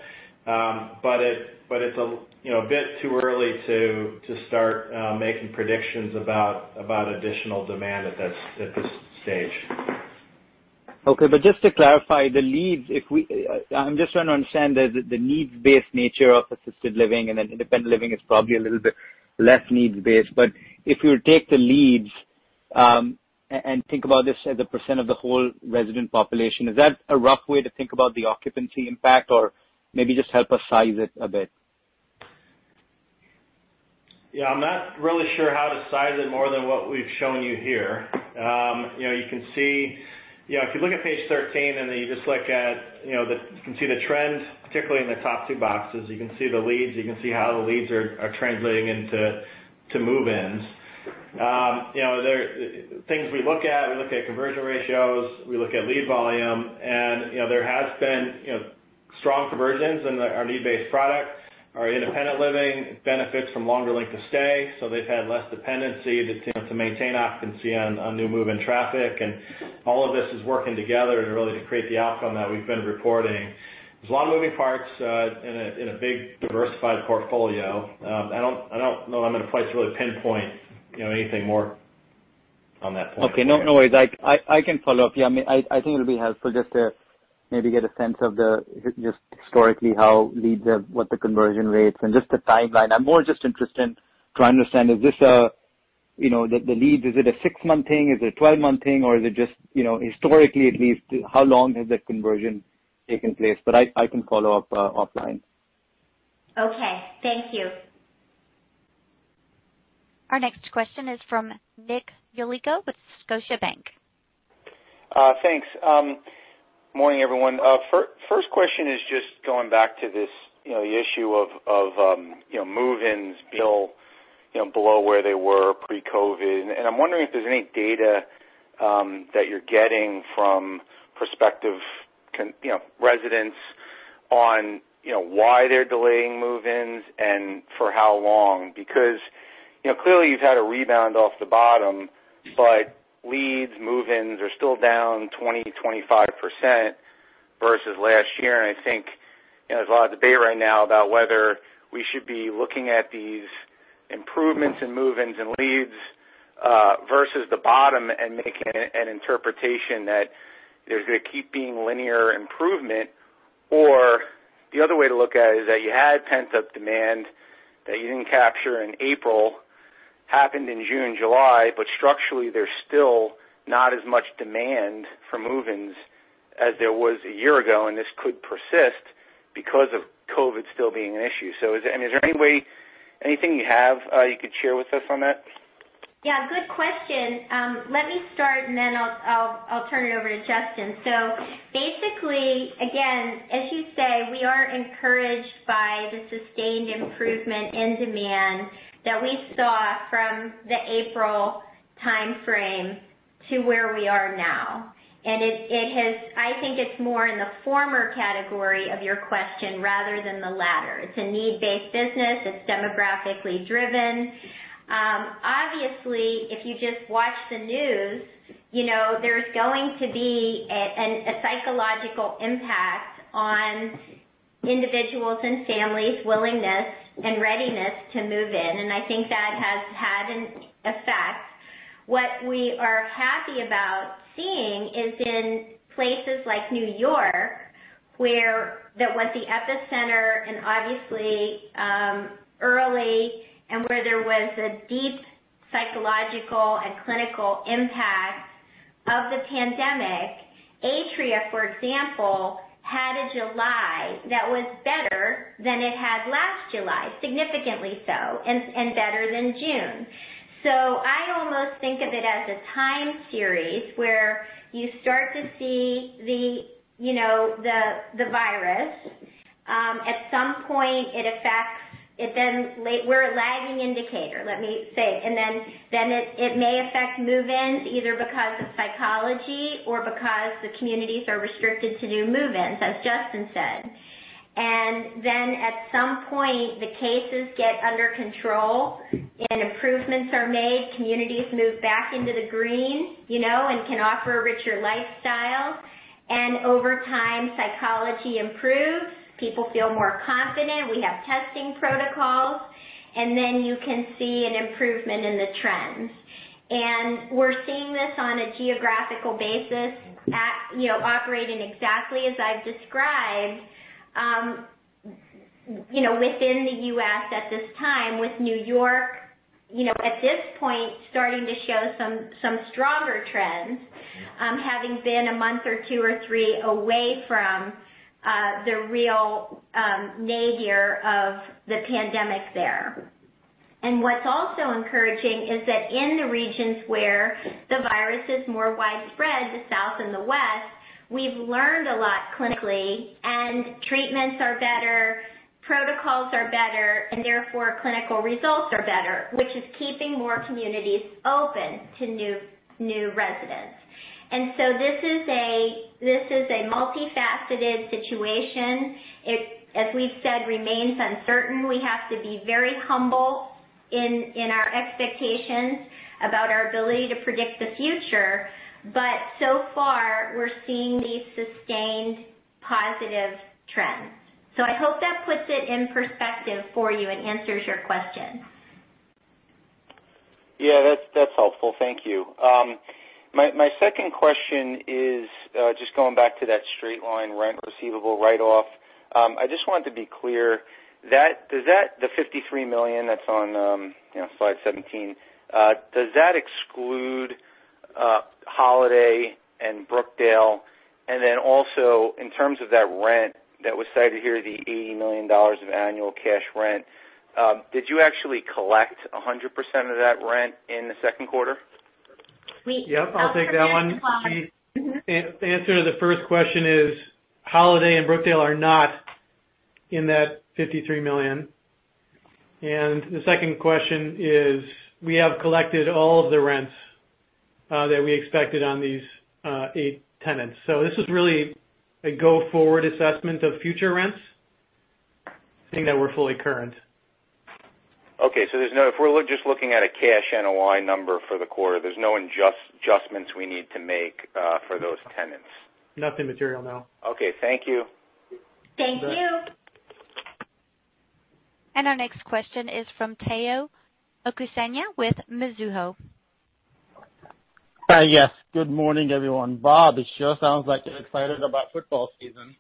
It's a bit too early to start making predictions about additional demand at this stage. Okay. Just to clarify, the leads. I'm just trying to understand the needs-based nature of assisted living, and then independent living is probably a little bit less needs-based. If you take the leads and think about this as a percent of the whole resident population, is that a rough way to think about the occupancy impact, or maybe just help us size it a bit? Yeah. I'm not really sure how to size it more than what we've shown you here. If you look at page 13, you can see the trend, particularly in the top two boxes. You can see the leads. You can see how the leads are translating into move-ins. There are things we look at. We look at conversion ratios. We look at lead volume. There has been strong conversions in our need-based products. Our independent living benefits from longer length of stay, so they've had less dependency to maintain occupancy on new move-in traffic. All of this is working together to really create the outcome that we've been reporting. There's a lot of moving parts in a big, diversified portfolio. I don't know that I'm in a place to really pinpoint anything more Okay, no worries. I can follow up. Yeah, I think it'll be helpful just to maybe get a sense of the, just historically, what the conversion rates and just the timeline. I'm more just interested to understand, the lead, is it a six-month thing? Is it a 12-month thing, or is it just, historically at least, how long has that conversion taken place? I can follow up offline. Okay. Thank you. Our next question is from Nick Yulico with Scotiabank. Thanks. Morning, everyone. First question is just going back to this issue of move-ins still below where they were pre-COVID. I'm wondering if there's any data that you're getting from prospective residents on why they're delaying move-ins and for how long. Because clearly you've had a rebound off the bottom, but leads, move-ins are still down 20%-25% versus last year. I think there's a lot of debate right now about whether we should be looking at these improvements in move-ins and leads, versus the bottom and making an interpretation that there's going to keep being linear improvement. The other way to look at it is that you had pent-up demand that you didn't capture in April, happened in June, July, but structurally, there's still not as much demand for move-ins as there was a year ago, and this could persist because of COVID still being an issue. Is there anything you have you could share with us on that? Yeah, good question. Let me start and then I'll turn it over to Justin. Basically, again, as you say, we are encouraged by the sustained improvement in demand that we saw from the April timeframe to where we are now. I think it's more in the former category of your question rather than the latter. It's a need-based business. It's demographically driven. Obviously, if you just watch the news, there's going to be a psychological impact on individuals' and families' willingness and readiness to move in. I think that has had an effect. What we are happy about seeing is in places like New York, that was the epicenter and obviously early, and where there was a deep psychological and clinical impact of the pandemic. Atria, for example, had a July that was better than it had last July, significantly so, and better than June. I almost think of it as a time series where you start to see the virus. At some point We're a lagging indicator, let me say. It may affect move-ins either because of psychology or because the communities are restricted to do move-ins, as Justin said. At some point, the cases get under control and improvements are made. Communities move back into the green, and can offer a richer lifestyle. Over time, psychology improves. People feel more confident. We have testing protocols. You can see an improvement in the trends. We're seeing this on a geographical basis operating exactly as I've described within the U.S. at this time with New York, at this point, starting to show some stronger trends, having been a month or two or three away from the real nadir of the pandemic there. What's also encouraging is that in the regions where the virus is more widespread, the South and the West, we've learned a lot clinically and treatments are better, protocols are better, and therefore clinical results are better, which is keeping more communities open to new residents. This is a multifaceted situation. It, as we've said, remains uncertain. We have to be very humble in our expectations about our ability to predict the future, but so far, we're seeing these sustained positive trends. I hope that puts it in perspective for you and answers your question. Yeah, that's helpful. Thank you. My second question is just going back to that straight-line rent receivable write-off. I just wanted to be clear. The $53 million that's on slide 17, does that exclude Holiday and Brookdale? Then also, in terms of that rent that was cited here, the $80 million of annual cash rent, did you actually collect 100% of that rent in the second quarter? We- Yep, I'll take that one. The answer to the first question is Holiday and Brookdale are not in that $53 million. The second question is, we have collected all of the rents that we expected on these eight tenants. This is really a go-forward assessment of future rents, seeing that we're fully current. Okay. If we're just looking at a cash NOI number for the quarter, there's no adjustments we need to make for those tenants. Nothing material, no. Okay. Thank you. Thank you. Our next question is from Tayo Okusanya with Mizuho. Yes. Good morning, everyone. Bob, it sure sounds like you're excited about football season.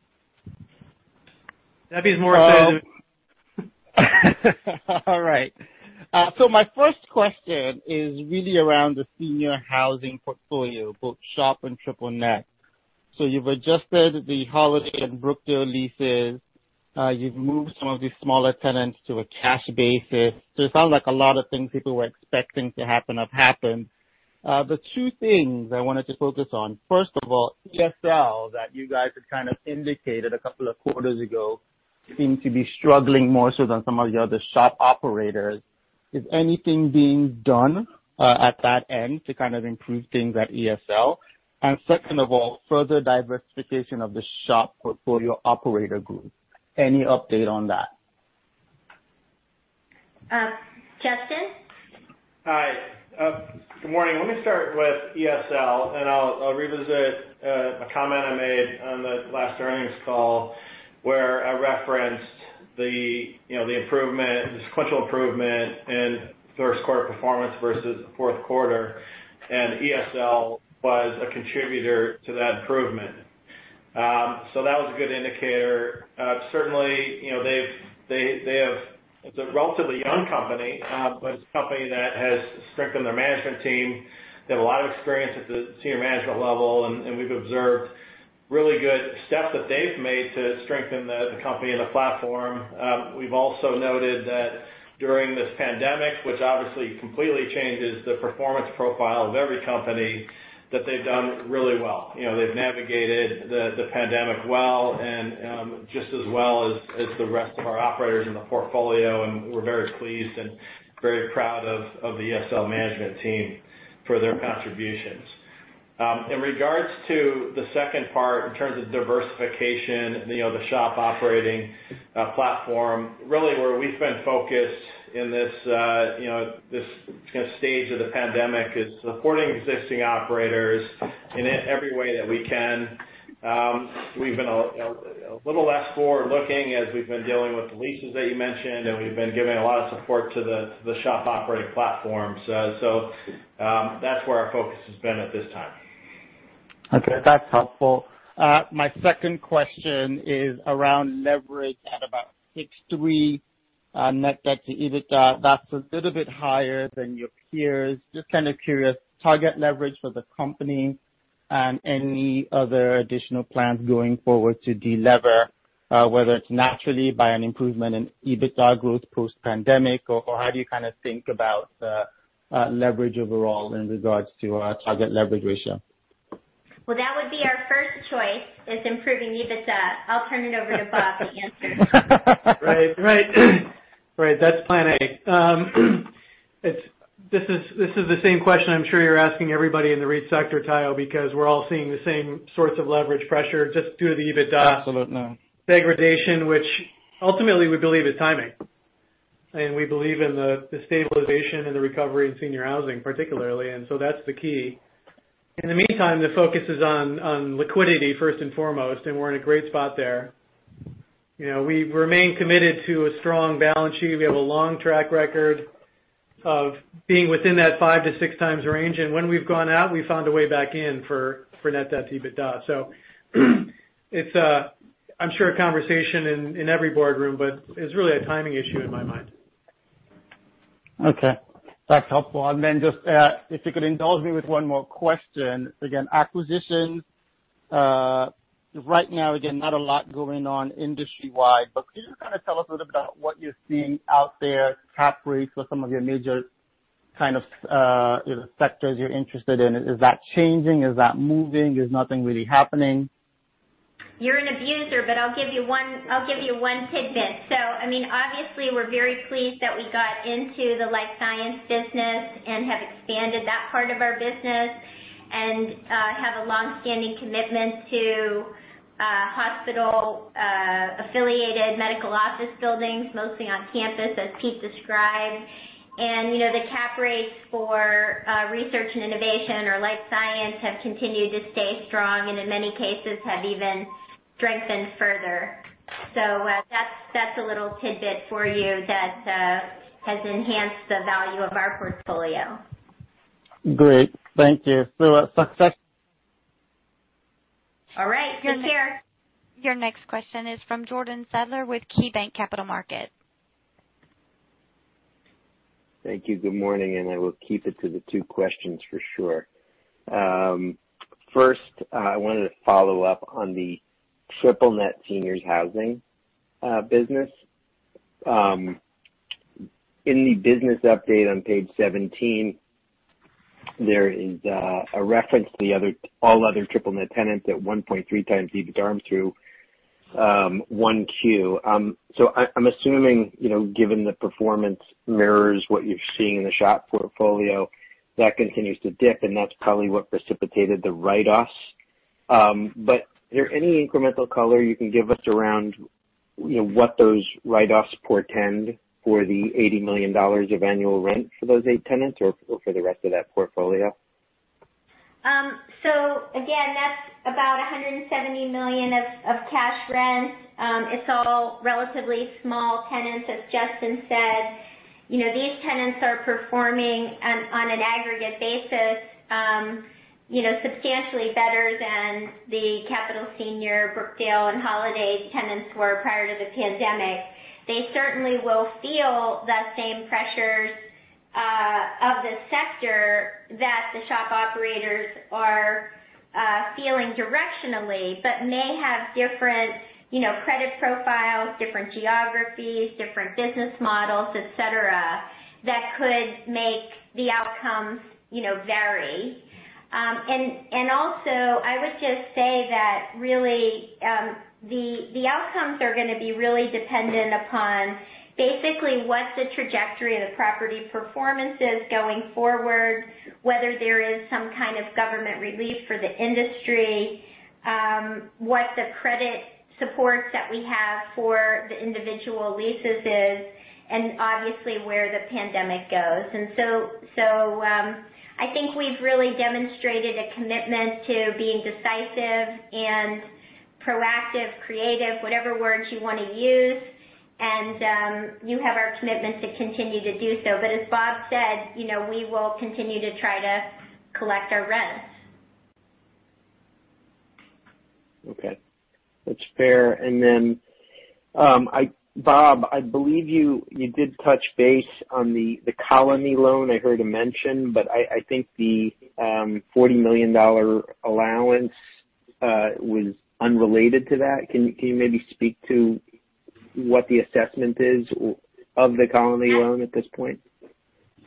That'd be more accurate. All right. My first question is really around the senior housing portfolio, both SHOP and triple net. You've adjusted the Holiday Retirement Brookdale leases, you've moved some of the smaller tenants to a cash basis. It sounds like a lot of things people were expecting to happen have happened. Two things I wanted to focus on. First of all, ESL, that you guys had kind of indicated a couple of quarters ago, seem to be struggling more so than some of the other SHOP operators. Is anything being done at that end to kind of improve things at ESL? Second of all, further diversification of the SHOP portfolio operator group. Any update on that? Justin? Hi. Good morning. Let me start with ESL, and I'll revisit a comment I made on the last earnings call, where I referenced the sequential improvement in first quarter performance versus fourth quarter, and ESL was a contributor to that improvement. That was a good indicator. Certainly, it's a relatively young company, but it's a company that has strengthened their management team. They have a lot of experience at the senior management level, and we've observed really good steps that they've made to strengthen the company and the platform. We've also noted that during this pandemic, which obviously completely changes the performance profile of every company, that they've done really well. They've navigated the pandemic well and just as well as the rest of our operators in the portfolio, and we're very pleased and very proud of the ESL management team for their contributions. In regards to the second part, in terms of diversification, the SHOP operating platform, really where we've been focused in this stage of the pandemic, is supporting existing operators in every way that we can. We've been a little less forward-looking as we've been dealing with the leases that you mentioned, and we've been giving a lot of support to the SHOP operating platform. That's where our focus has been at this time. Okay, that's helpful. My second question is around leverage at about 6.3 net debt to EBITDA. That's a little bit higher than your peers. Just kind of curious, target leverage for the company and any other additional plans going forward to de-lever, whether it's naturally by an improvement in EBITDA growth post pandemic, or how do you kind of think about leverage overall in regards to a target leverage ratio? Well, that would be our first choice is improving EBITDA. I'll turn it over to Bob to answer. Right. That's plan A. This is the same question I'm sure you're asking everybody in the REIT sector, Tayo, because we're all seeing the same sorts of leverage pressure just due to the EBITDA- Absolutely. Degradation, which ultimately we believe is timing. We believe in the stabilization and the recovery in senior housing, particularly, and so that's the key. In the meantime, the focus is on liquidity first and foremost, and we're in a great spot there. We remain committed to a strong balance sheet. We have a long track record of being within that 5x-6x range, and when we've gone out, we found a way back in for net debt to EBITDA. It's I'm sure a conversation in every boardroom, but it's really a timing issue in my mind. Okay. That's helpful. Then just if you could indulge me with one more question. Again, acquisitions, right now, again, not a lot going on industry-wide, can you kind of tell us a little about what you're seeing out there, cap rates for some of your major kind of sectors you're interested in? Is that changing? Is that moving? Is nothing really happening? You're an abuser. I'll give you one tidbit. Obviously we're very pleased that we got into the life science business and have expanded that part of our business and have a long-standing commitment to hospital-affiliated medical office buildings, mostly on campus, as Pete described. The cap rates for research and innovation or life science have continued to stay strong and in many cases have even strengthened further. That's a little tidbit for you that has enhanced the value of our portfolio. Great. Thank you. All right. Take care. Your next question is from Jordan Sadler with KeyBanc Capital Markets. Thank you. Good morning, I will keep it to the two questions for sure. I wanted to follow up on the triple net seniors housing business. In the business update on page 17, there is a reference to all other triple net tenants at 1.3x EBITDA through 1Q. I'm assuming, given the performance mirrors what you're seeing in the SHOP portfolio, that continues to dip and that's probably what precipitated the write-offs. Is there any incremental color you can give us around what those write-offs portend for the $80 million of annual rent for those eight tenants or for the rest of that portfolio? Again, that's about $170 million of cash rent. It's all relatively small tenants, as Justin said. These tenants are performing on an aggregate basis substantially better than the Capital Senior, Brookdale, and Holiday tenants were prior to the pandemic. They certainly will feel the same pressures of the sector that the shop operators are feeling directionally, but may have different credit profiles, different geographies, different business models, et cetera, that could make the outcomes vary. Also, I would just say that really, the outcomes are going to be really dependent upon basically what the trajectory of the property performance is going forward, whether there is some kind of government relief for the industry, what the credit supports that we have for the individual leases is, and obviously, where the pandemic goes. I think we've really demonstrated a commitment to being decisive and proactive, creative, whatever words you want to use, and you have our commitment to continue to do so. As Bob said, we will continue to try to collect our rents. Okay. That's fair. Then, Bob, I believe you did touch base on the Colony loan. I heard it mentioned, but I think the $40 million allowance was unrelated to that. Can you maybe speak to what the assessment is of the Colony loan at this point?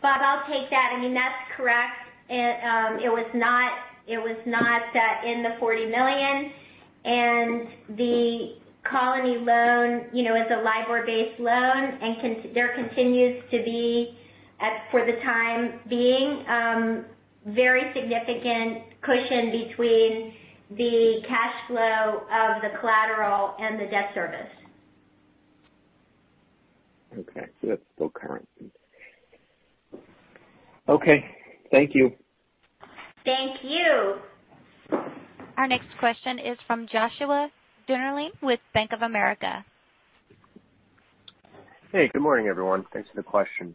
Bob, I'll take that. I mean, that's correct. It was not set in the $40 million. The Colony loan is a LIBOR-based loan, and there continues to be, for the time being, very significant cushion between the cash flow of the collateral and the debt service. Okay. That's still current. Okay. Thank you. Thank you. Our next question is from Joshua Dennerlein with Bank of America. Hey, good morning, everyone. Thanks for the question.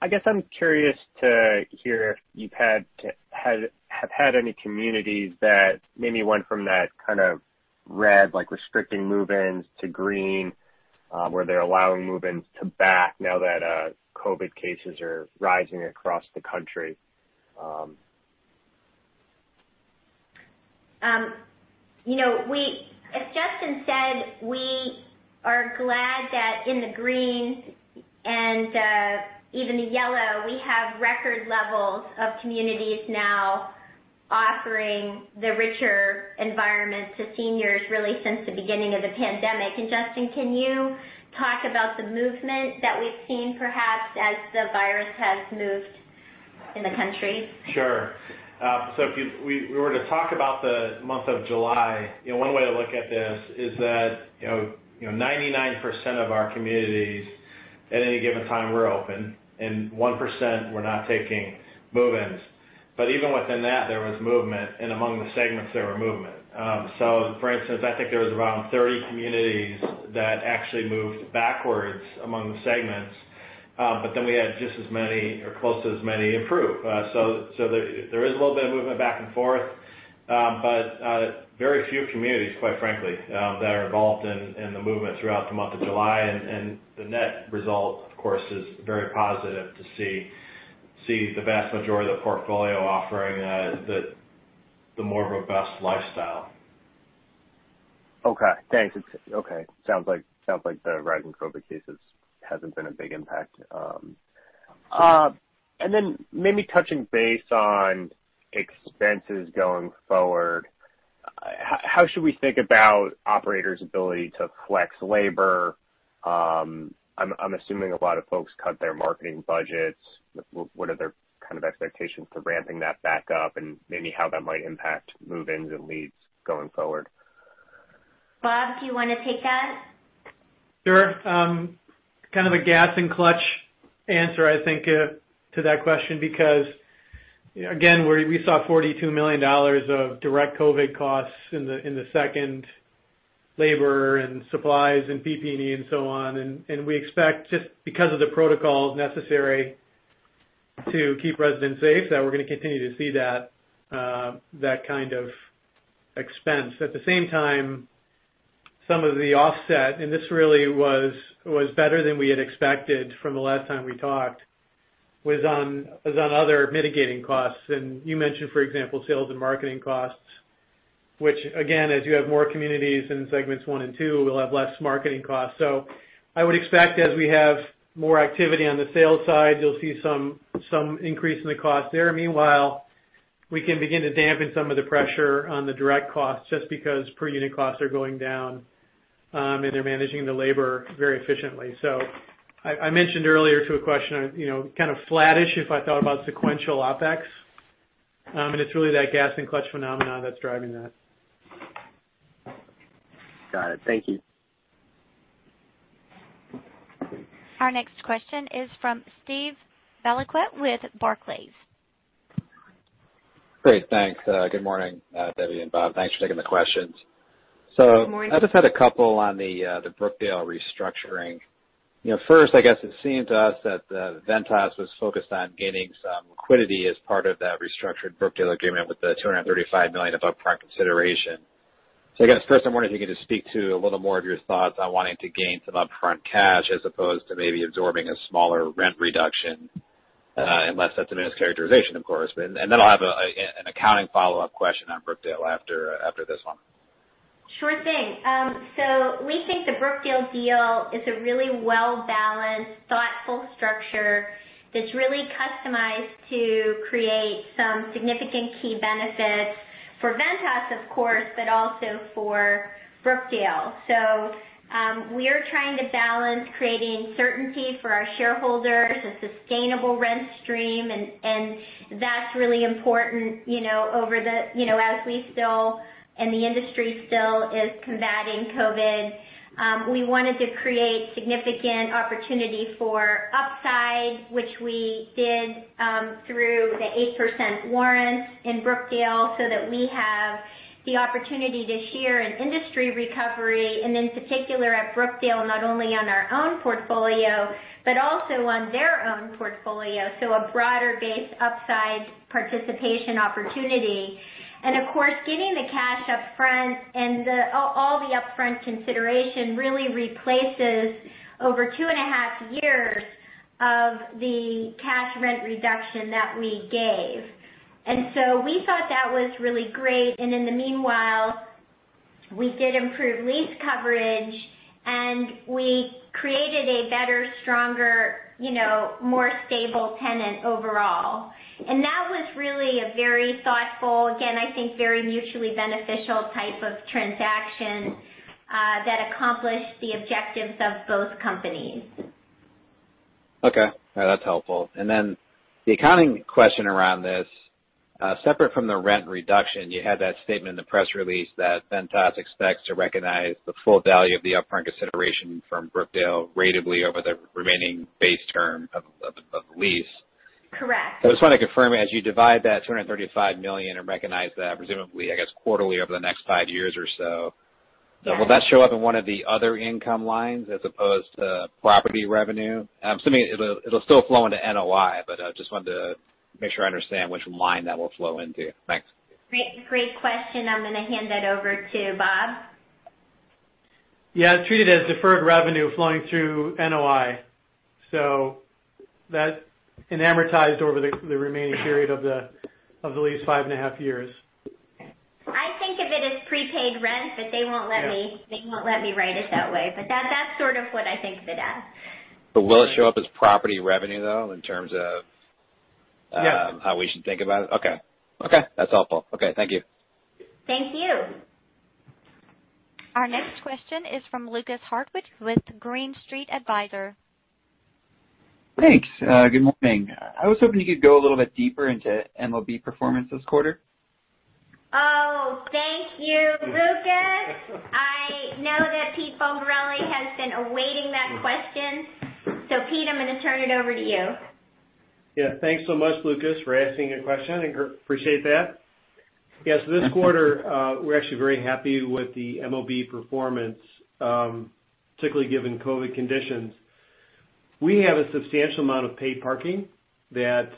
I guess I'm curious to hear if you have had any communities that maybe went from that kind of red, like restricting move-ins, to green, where they're allowing move-ins, to back now that COVID cases are rising across the country. As Justin said, we are glad that in the green and even the yellow, we have record levels of communities now offering the richer environment to seniors, really since the beginning of the pandemic. Justin, can you talk about the movement that we've seen perhaps as the virus has moved in the country? Sure. If we were to talk about the month of July, one way to look at this is that 99% of our communities at any given time were open and 1% were not taking move-ins. Even within that, there was movement, and among the segments there were movement. For instance, I think there was around 30 communities that actually moved backwards among the segments. We had just as many or close to as many improve. There is a little bit of movement back and forth. Very few communities, quite frankly, that are involved in the movement throughout the month of July. The net result, of course, is very positive to see the vast majority of the portfolio offering the more robust lifestyle. Okay, thanks. It sounds like the rising COVID-19 cases hasn't been a big impact. Maybe touching base on expenses going forward, how should we think about operators' ability to flex labor? I'm assuming a lot of folks cut their marketing budgets. What are their kind of expectations for ramping that back up and maybe how that might impact move-ins and leads going forward? Bob, do you want to take that? Sure. Kind of a gas and clutch answer, I think, to that question. Again, we saw $42 million of direct COVID-19 costs in the second labor and supplies and PPE and so on. We expect just because of the protocols necessary to keep residents safe, that we're going to continue to see that kind of expense. At the same time, some of the offset, and this really was better than we had expected from the last time we talked, was on other mitigating costs. You mentioned, for example, sales and marketing costs, which again, as you have more communities in segments one and two, we'll have less marketing costs. I would expect as we have more activity on the sales side, you'll see some increase in the cost there. We can begin to dampen some of the pressure on the direct costs just because per unit costs are going down, and they're managing the labor very efficiently. I mentioned earlier to a question, kind of flattish if I thought about sequential OpEx, and it's really that gas and clutch phenomenon that's driving that. Got it. Thank you. Our next question is from Steve Valiquette with Barclays. Great. Thanks. Good morning, Debbie and Bob. Thanks for taking the questions. Good morning. I just had a couple on the Brookdale restructuring. I guess it seemed to us that Ventas was focused on gaining some liquidity as part of that restructured Brookdale agreement with the $235 million of upfront consideration. I guess, first, I wonder if you could just speak to a little more of your thoughts on wanting to gain some upfront cash as opposed to maybe absorbing a smaller rent reduction, unless that's a mischaracterization, of course. I'll have an accounting follow-up question on Brookdale after this one. Sure thing. We think the Brookdale deal is a really well-balanced, thoughtful structure that's really customized to create some significant key benefits for Ventas, of course, but also for Brookdale. We're trying to balance creating certainty for our shareholders, a sustainable rent stream, and that's really important as we still, and the industry still, is combating COVID. We wanted to create significant opportunity for upside, which we did through the 8% warrants in Brookdale, so that we have the opportunity to share in industry recovery, and in particular at Brookdale, not only on our own portfolio, but also on their own portfolio, so a broader base upside participation opportunity. Of course, getting the cash upfront and all the upfront consideration really replaces over two and a half years of the cash rent reduction that we gave. We thought that was really great. In the meanwhile, we did improve lease coverage, and we created a better, stronger, more stable tenant overall. That was really a very thoughtful, again, I think very mutually beneficial type of transaction that accomplished the objectives of both companies. Okay. No, that's helpful. The accounting question around this, separate from the rent reduction, you had that statement in the press release that Ventas expects to recognize the full value of the upfront consideration from Brookdale ratably over the remaining base term of the lease. Correct. I just wanted to confirm, as you divide that $235 million and recognize that presumably, I guess, quarterly over the next five years or so. Yes. Will that show up in one of the other income lines as opposed to property revenue? I'm assuming it'll still flow into NOI, but I just wanted to make sure I understand which line that will flow into. Thanks. Great question. I'm going to hand that over to Bob. Yeah. It is treated as deferred revenue flowing through NOI, that is amortized over the remaining period of the lease, five and a half years. I think of it as prepaid rent, but they won't let me. Yeah. Write it that way. That's sort of what I think of it as. Will it show up as property revenue, though? Yeah. How we should think about it? Okay. That's helpful. Okay. Thank you. Thank you. Our next question is from Lukas Hartwich with Green Street Advisors. Thanks. Good morning. I was hoping you could go a little bit deeper into MOB performance this quarter. Oh, thank you, Lukas. I know that Pete Bulgarelli has been awaiting that question. Pete, I'm going to turn it over to you. Thanks so much, Lukas, for asking a question, and appreciate that. This quarter, we're actually very happy with the MOB performance, particularly given COVID conditions. We have a substantial amount of paid parking that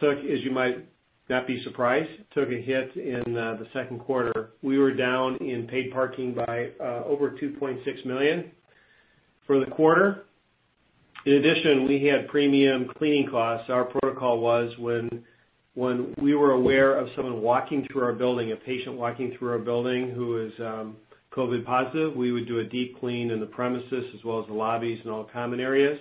took, as you might not be surprised, took a hit in the second quarter. We were down in paid parking by over $2.6 million for the quarter. In addition, we had premium cleaning costs. Our protocol was when we were aware of someone walking through our building, a patient walking through our building who is COVID positive, we would do a deep clean in the premises as well as the lobbies and all the common areas.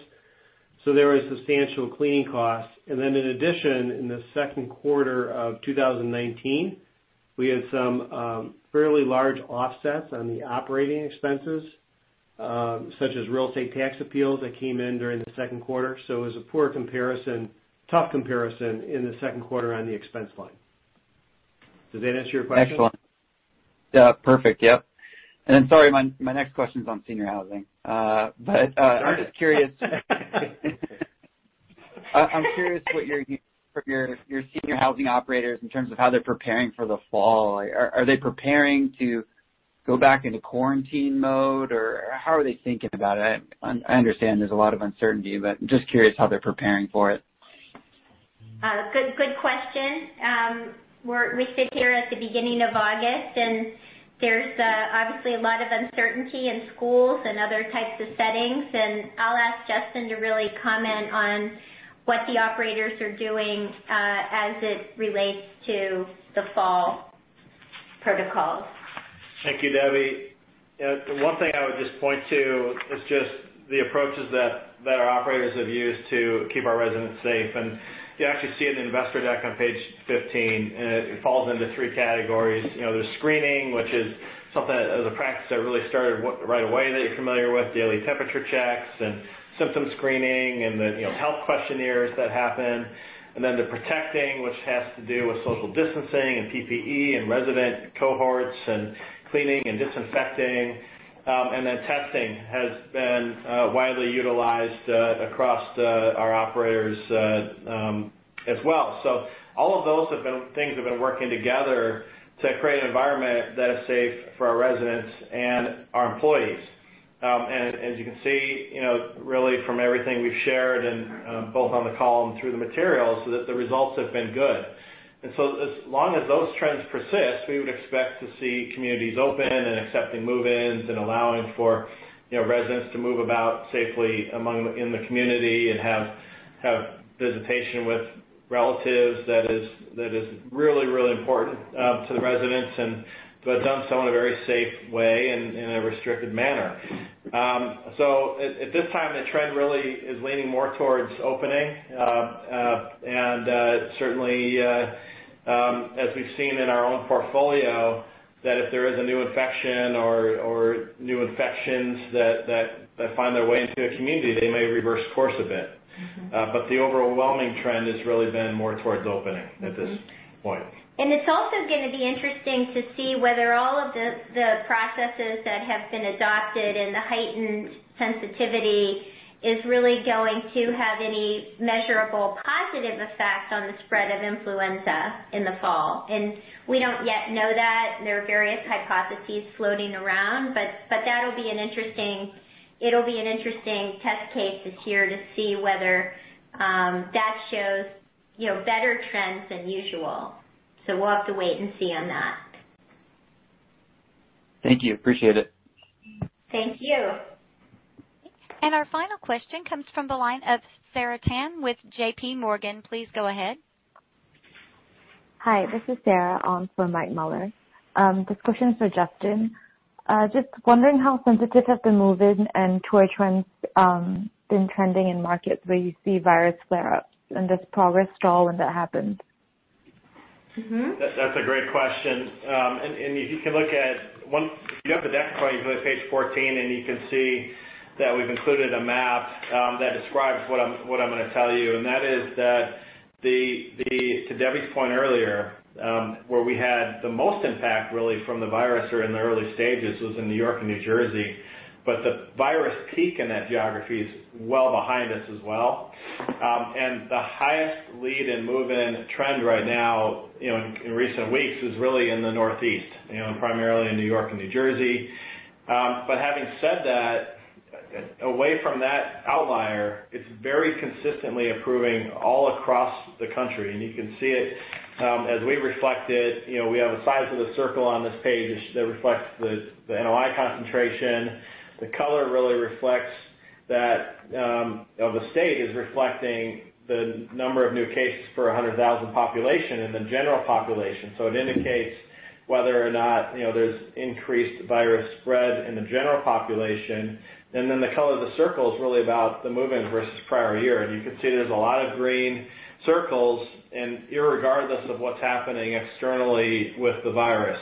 There was substantial cleaning costs. In addition, in the second quarter of 2019, we had some fairly large offsets on the operating expenses, such as real estate tax appeals that came in during the second quarter. It was a poor comparison, tough comparison in the second quarter on the expense line. Does that answer your question? Excellent. Yeah. Perfect. Yep. Then, sorry, my next question's on senior housing. I'm curious what you're hearing from your senior housing operators in terms of how they're preparing for the fall. Are they preparing to go back into quarantine mode, or how are they thinking about it? I understand there's a lot of uncertainty, but I'm just curious how they're preparing for it. Good question. We sit here at the beginning of August, and there's obviously a lot of uncertainty in schools and other types of settings, and I'll ask Justin to really comment on what the operators are doing, as it relates to the fall protocols. Thank you, Debbie. The one thing I would just point to is just the approaches that our operators have used to keep our residents safe. You actually see it in the investor deck on page 15, and it falls into three categories. There's screening, which is something that is a practice that really started right away, that you're familiar with, daily temperature checks and symptom screening and the health questionnaires that happen. Then the protecting, which has to do with social distancing and PPE and resident cohorts and cleaning and disinfecting. Then testing has been widely utilized across our operators as well. All of those have been things that have been working together to create an environment that is safe for our residents and our employees. As you can see, really from everything we've shared, both on the call and through the materials, that the results have been good. As long as those trends persist, we would expect to see communities open and accepting move-ins and allowing for residents to move about safely in the community and have visitation with relatives. That is really, really important to the residents, but done so in a very safe way and in a restricted manner. At this time, the trend really is leaning more towards opening. Certainly, as we've seen in our own portfolio, that if there is a new infection or new infections that find their way into a community, they may reverse course a bit. The overwhelming trend has really been more towards opening at this point. It's also going to be interesting to see whether all of the processes that have been adopted and the heightened sensitivity is really going to have any measurable positive effect on the spread of influenza in the fall. We don't yet know that. There are various hypotheses floating around, but it'll be an interesting test case this year to see whether that shows better trends than usual. We'll have to wait and see on that. Thank you. Appreciate it. Thank you. Our final question comes from the line of Sarah Tan with JPMorgan. Please go ahead. Hi, this is Sarah on for Mike Mueller. This question's for Justin. Just wondering how sensitive have the move-in and tour trends been trending in markets where you see virus flare-ups. Does progress stall when that happens? That's a great question. If you have the deck in front of you, go to page 14, you can see that we've included a map that describes what I'm going to tell you, to Debbie's point earlier, where we had the most impact, really, from the virus or in the early stages was in New York and New Jersey. The virus peak in that geography is well behind us as well. The highest lead in move-in trend right now in recent weeks is really in the Northeast, primarily in New York and New Jersey. Having said that, away from that outlier, it's very consistently improving all across the country. You can see it as we reflect it. We have a size of the circle on this page that reflects the NOI concentration. The color really reflects that the state is reflecting the number of new cases per 100,000 population in the general population. It indicates whether or not there's increased virus spread in the general population. The color of the circle is really about the move-in versus prior year. You can see there's a lot of green circles and regardless of what's happening externally with the virus.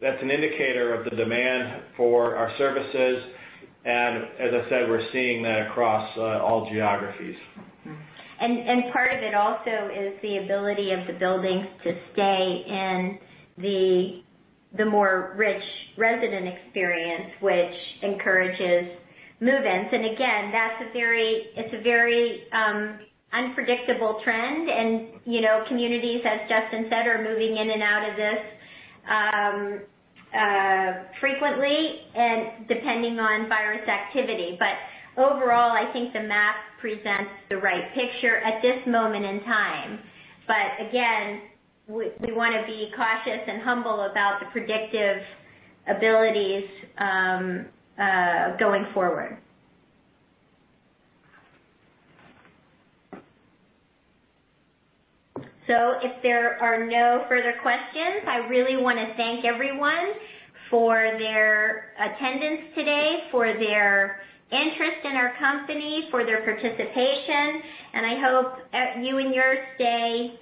That's an indicator of the demand for our services. As I said, we're seeing that across all geographies. Part of it also is the ability of the buildings to stay in the more rich resident experience, which encourages move-ins. Again, it's a very unpredictable trend. Communities, as Justin said, are moving in and out of this frequently and depending on virus activity. Overall, I think the map presents the right picture at this moment in time. Again, we want to be cautious and humble about the predictive abilities going forward. If there are no further questions, I really want to thank everyone for their attendance today, for their interest in our company, for their participation, and I hope you and yours stay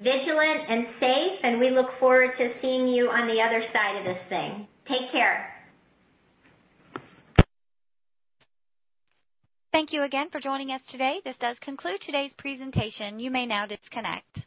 vigilant and safe, and we look forward to seeing you on the other side of this thing. Take care. Thank you again for joining us today. This does conclude today's presentation. You may now disconnect.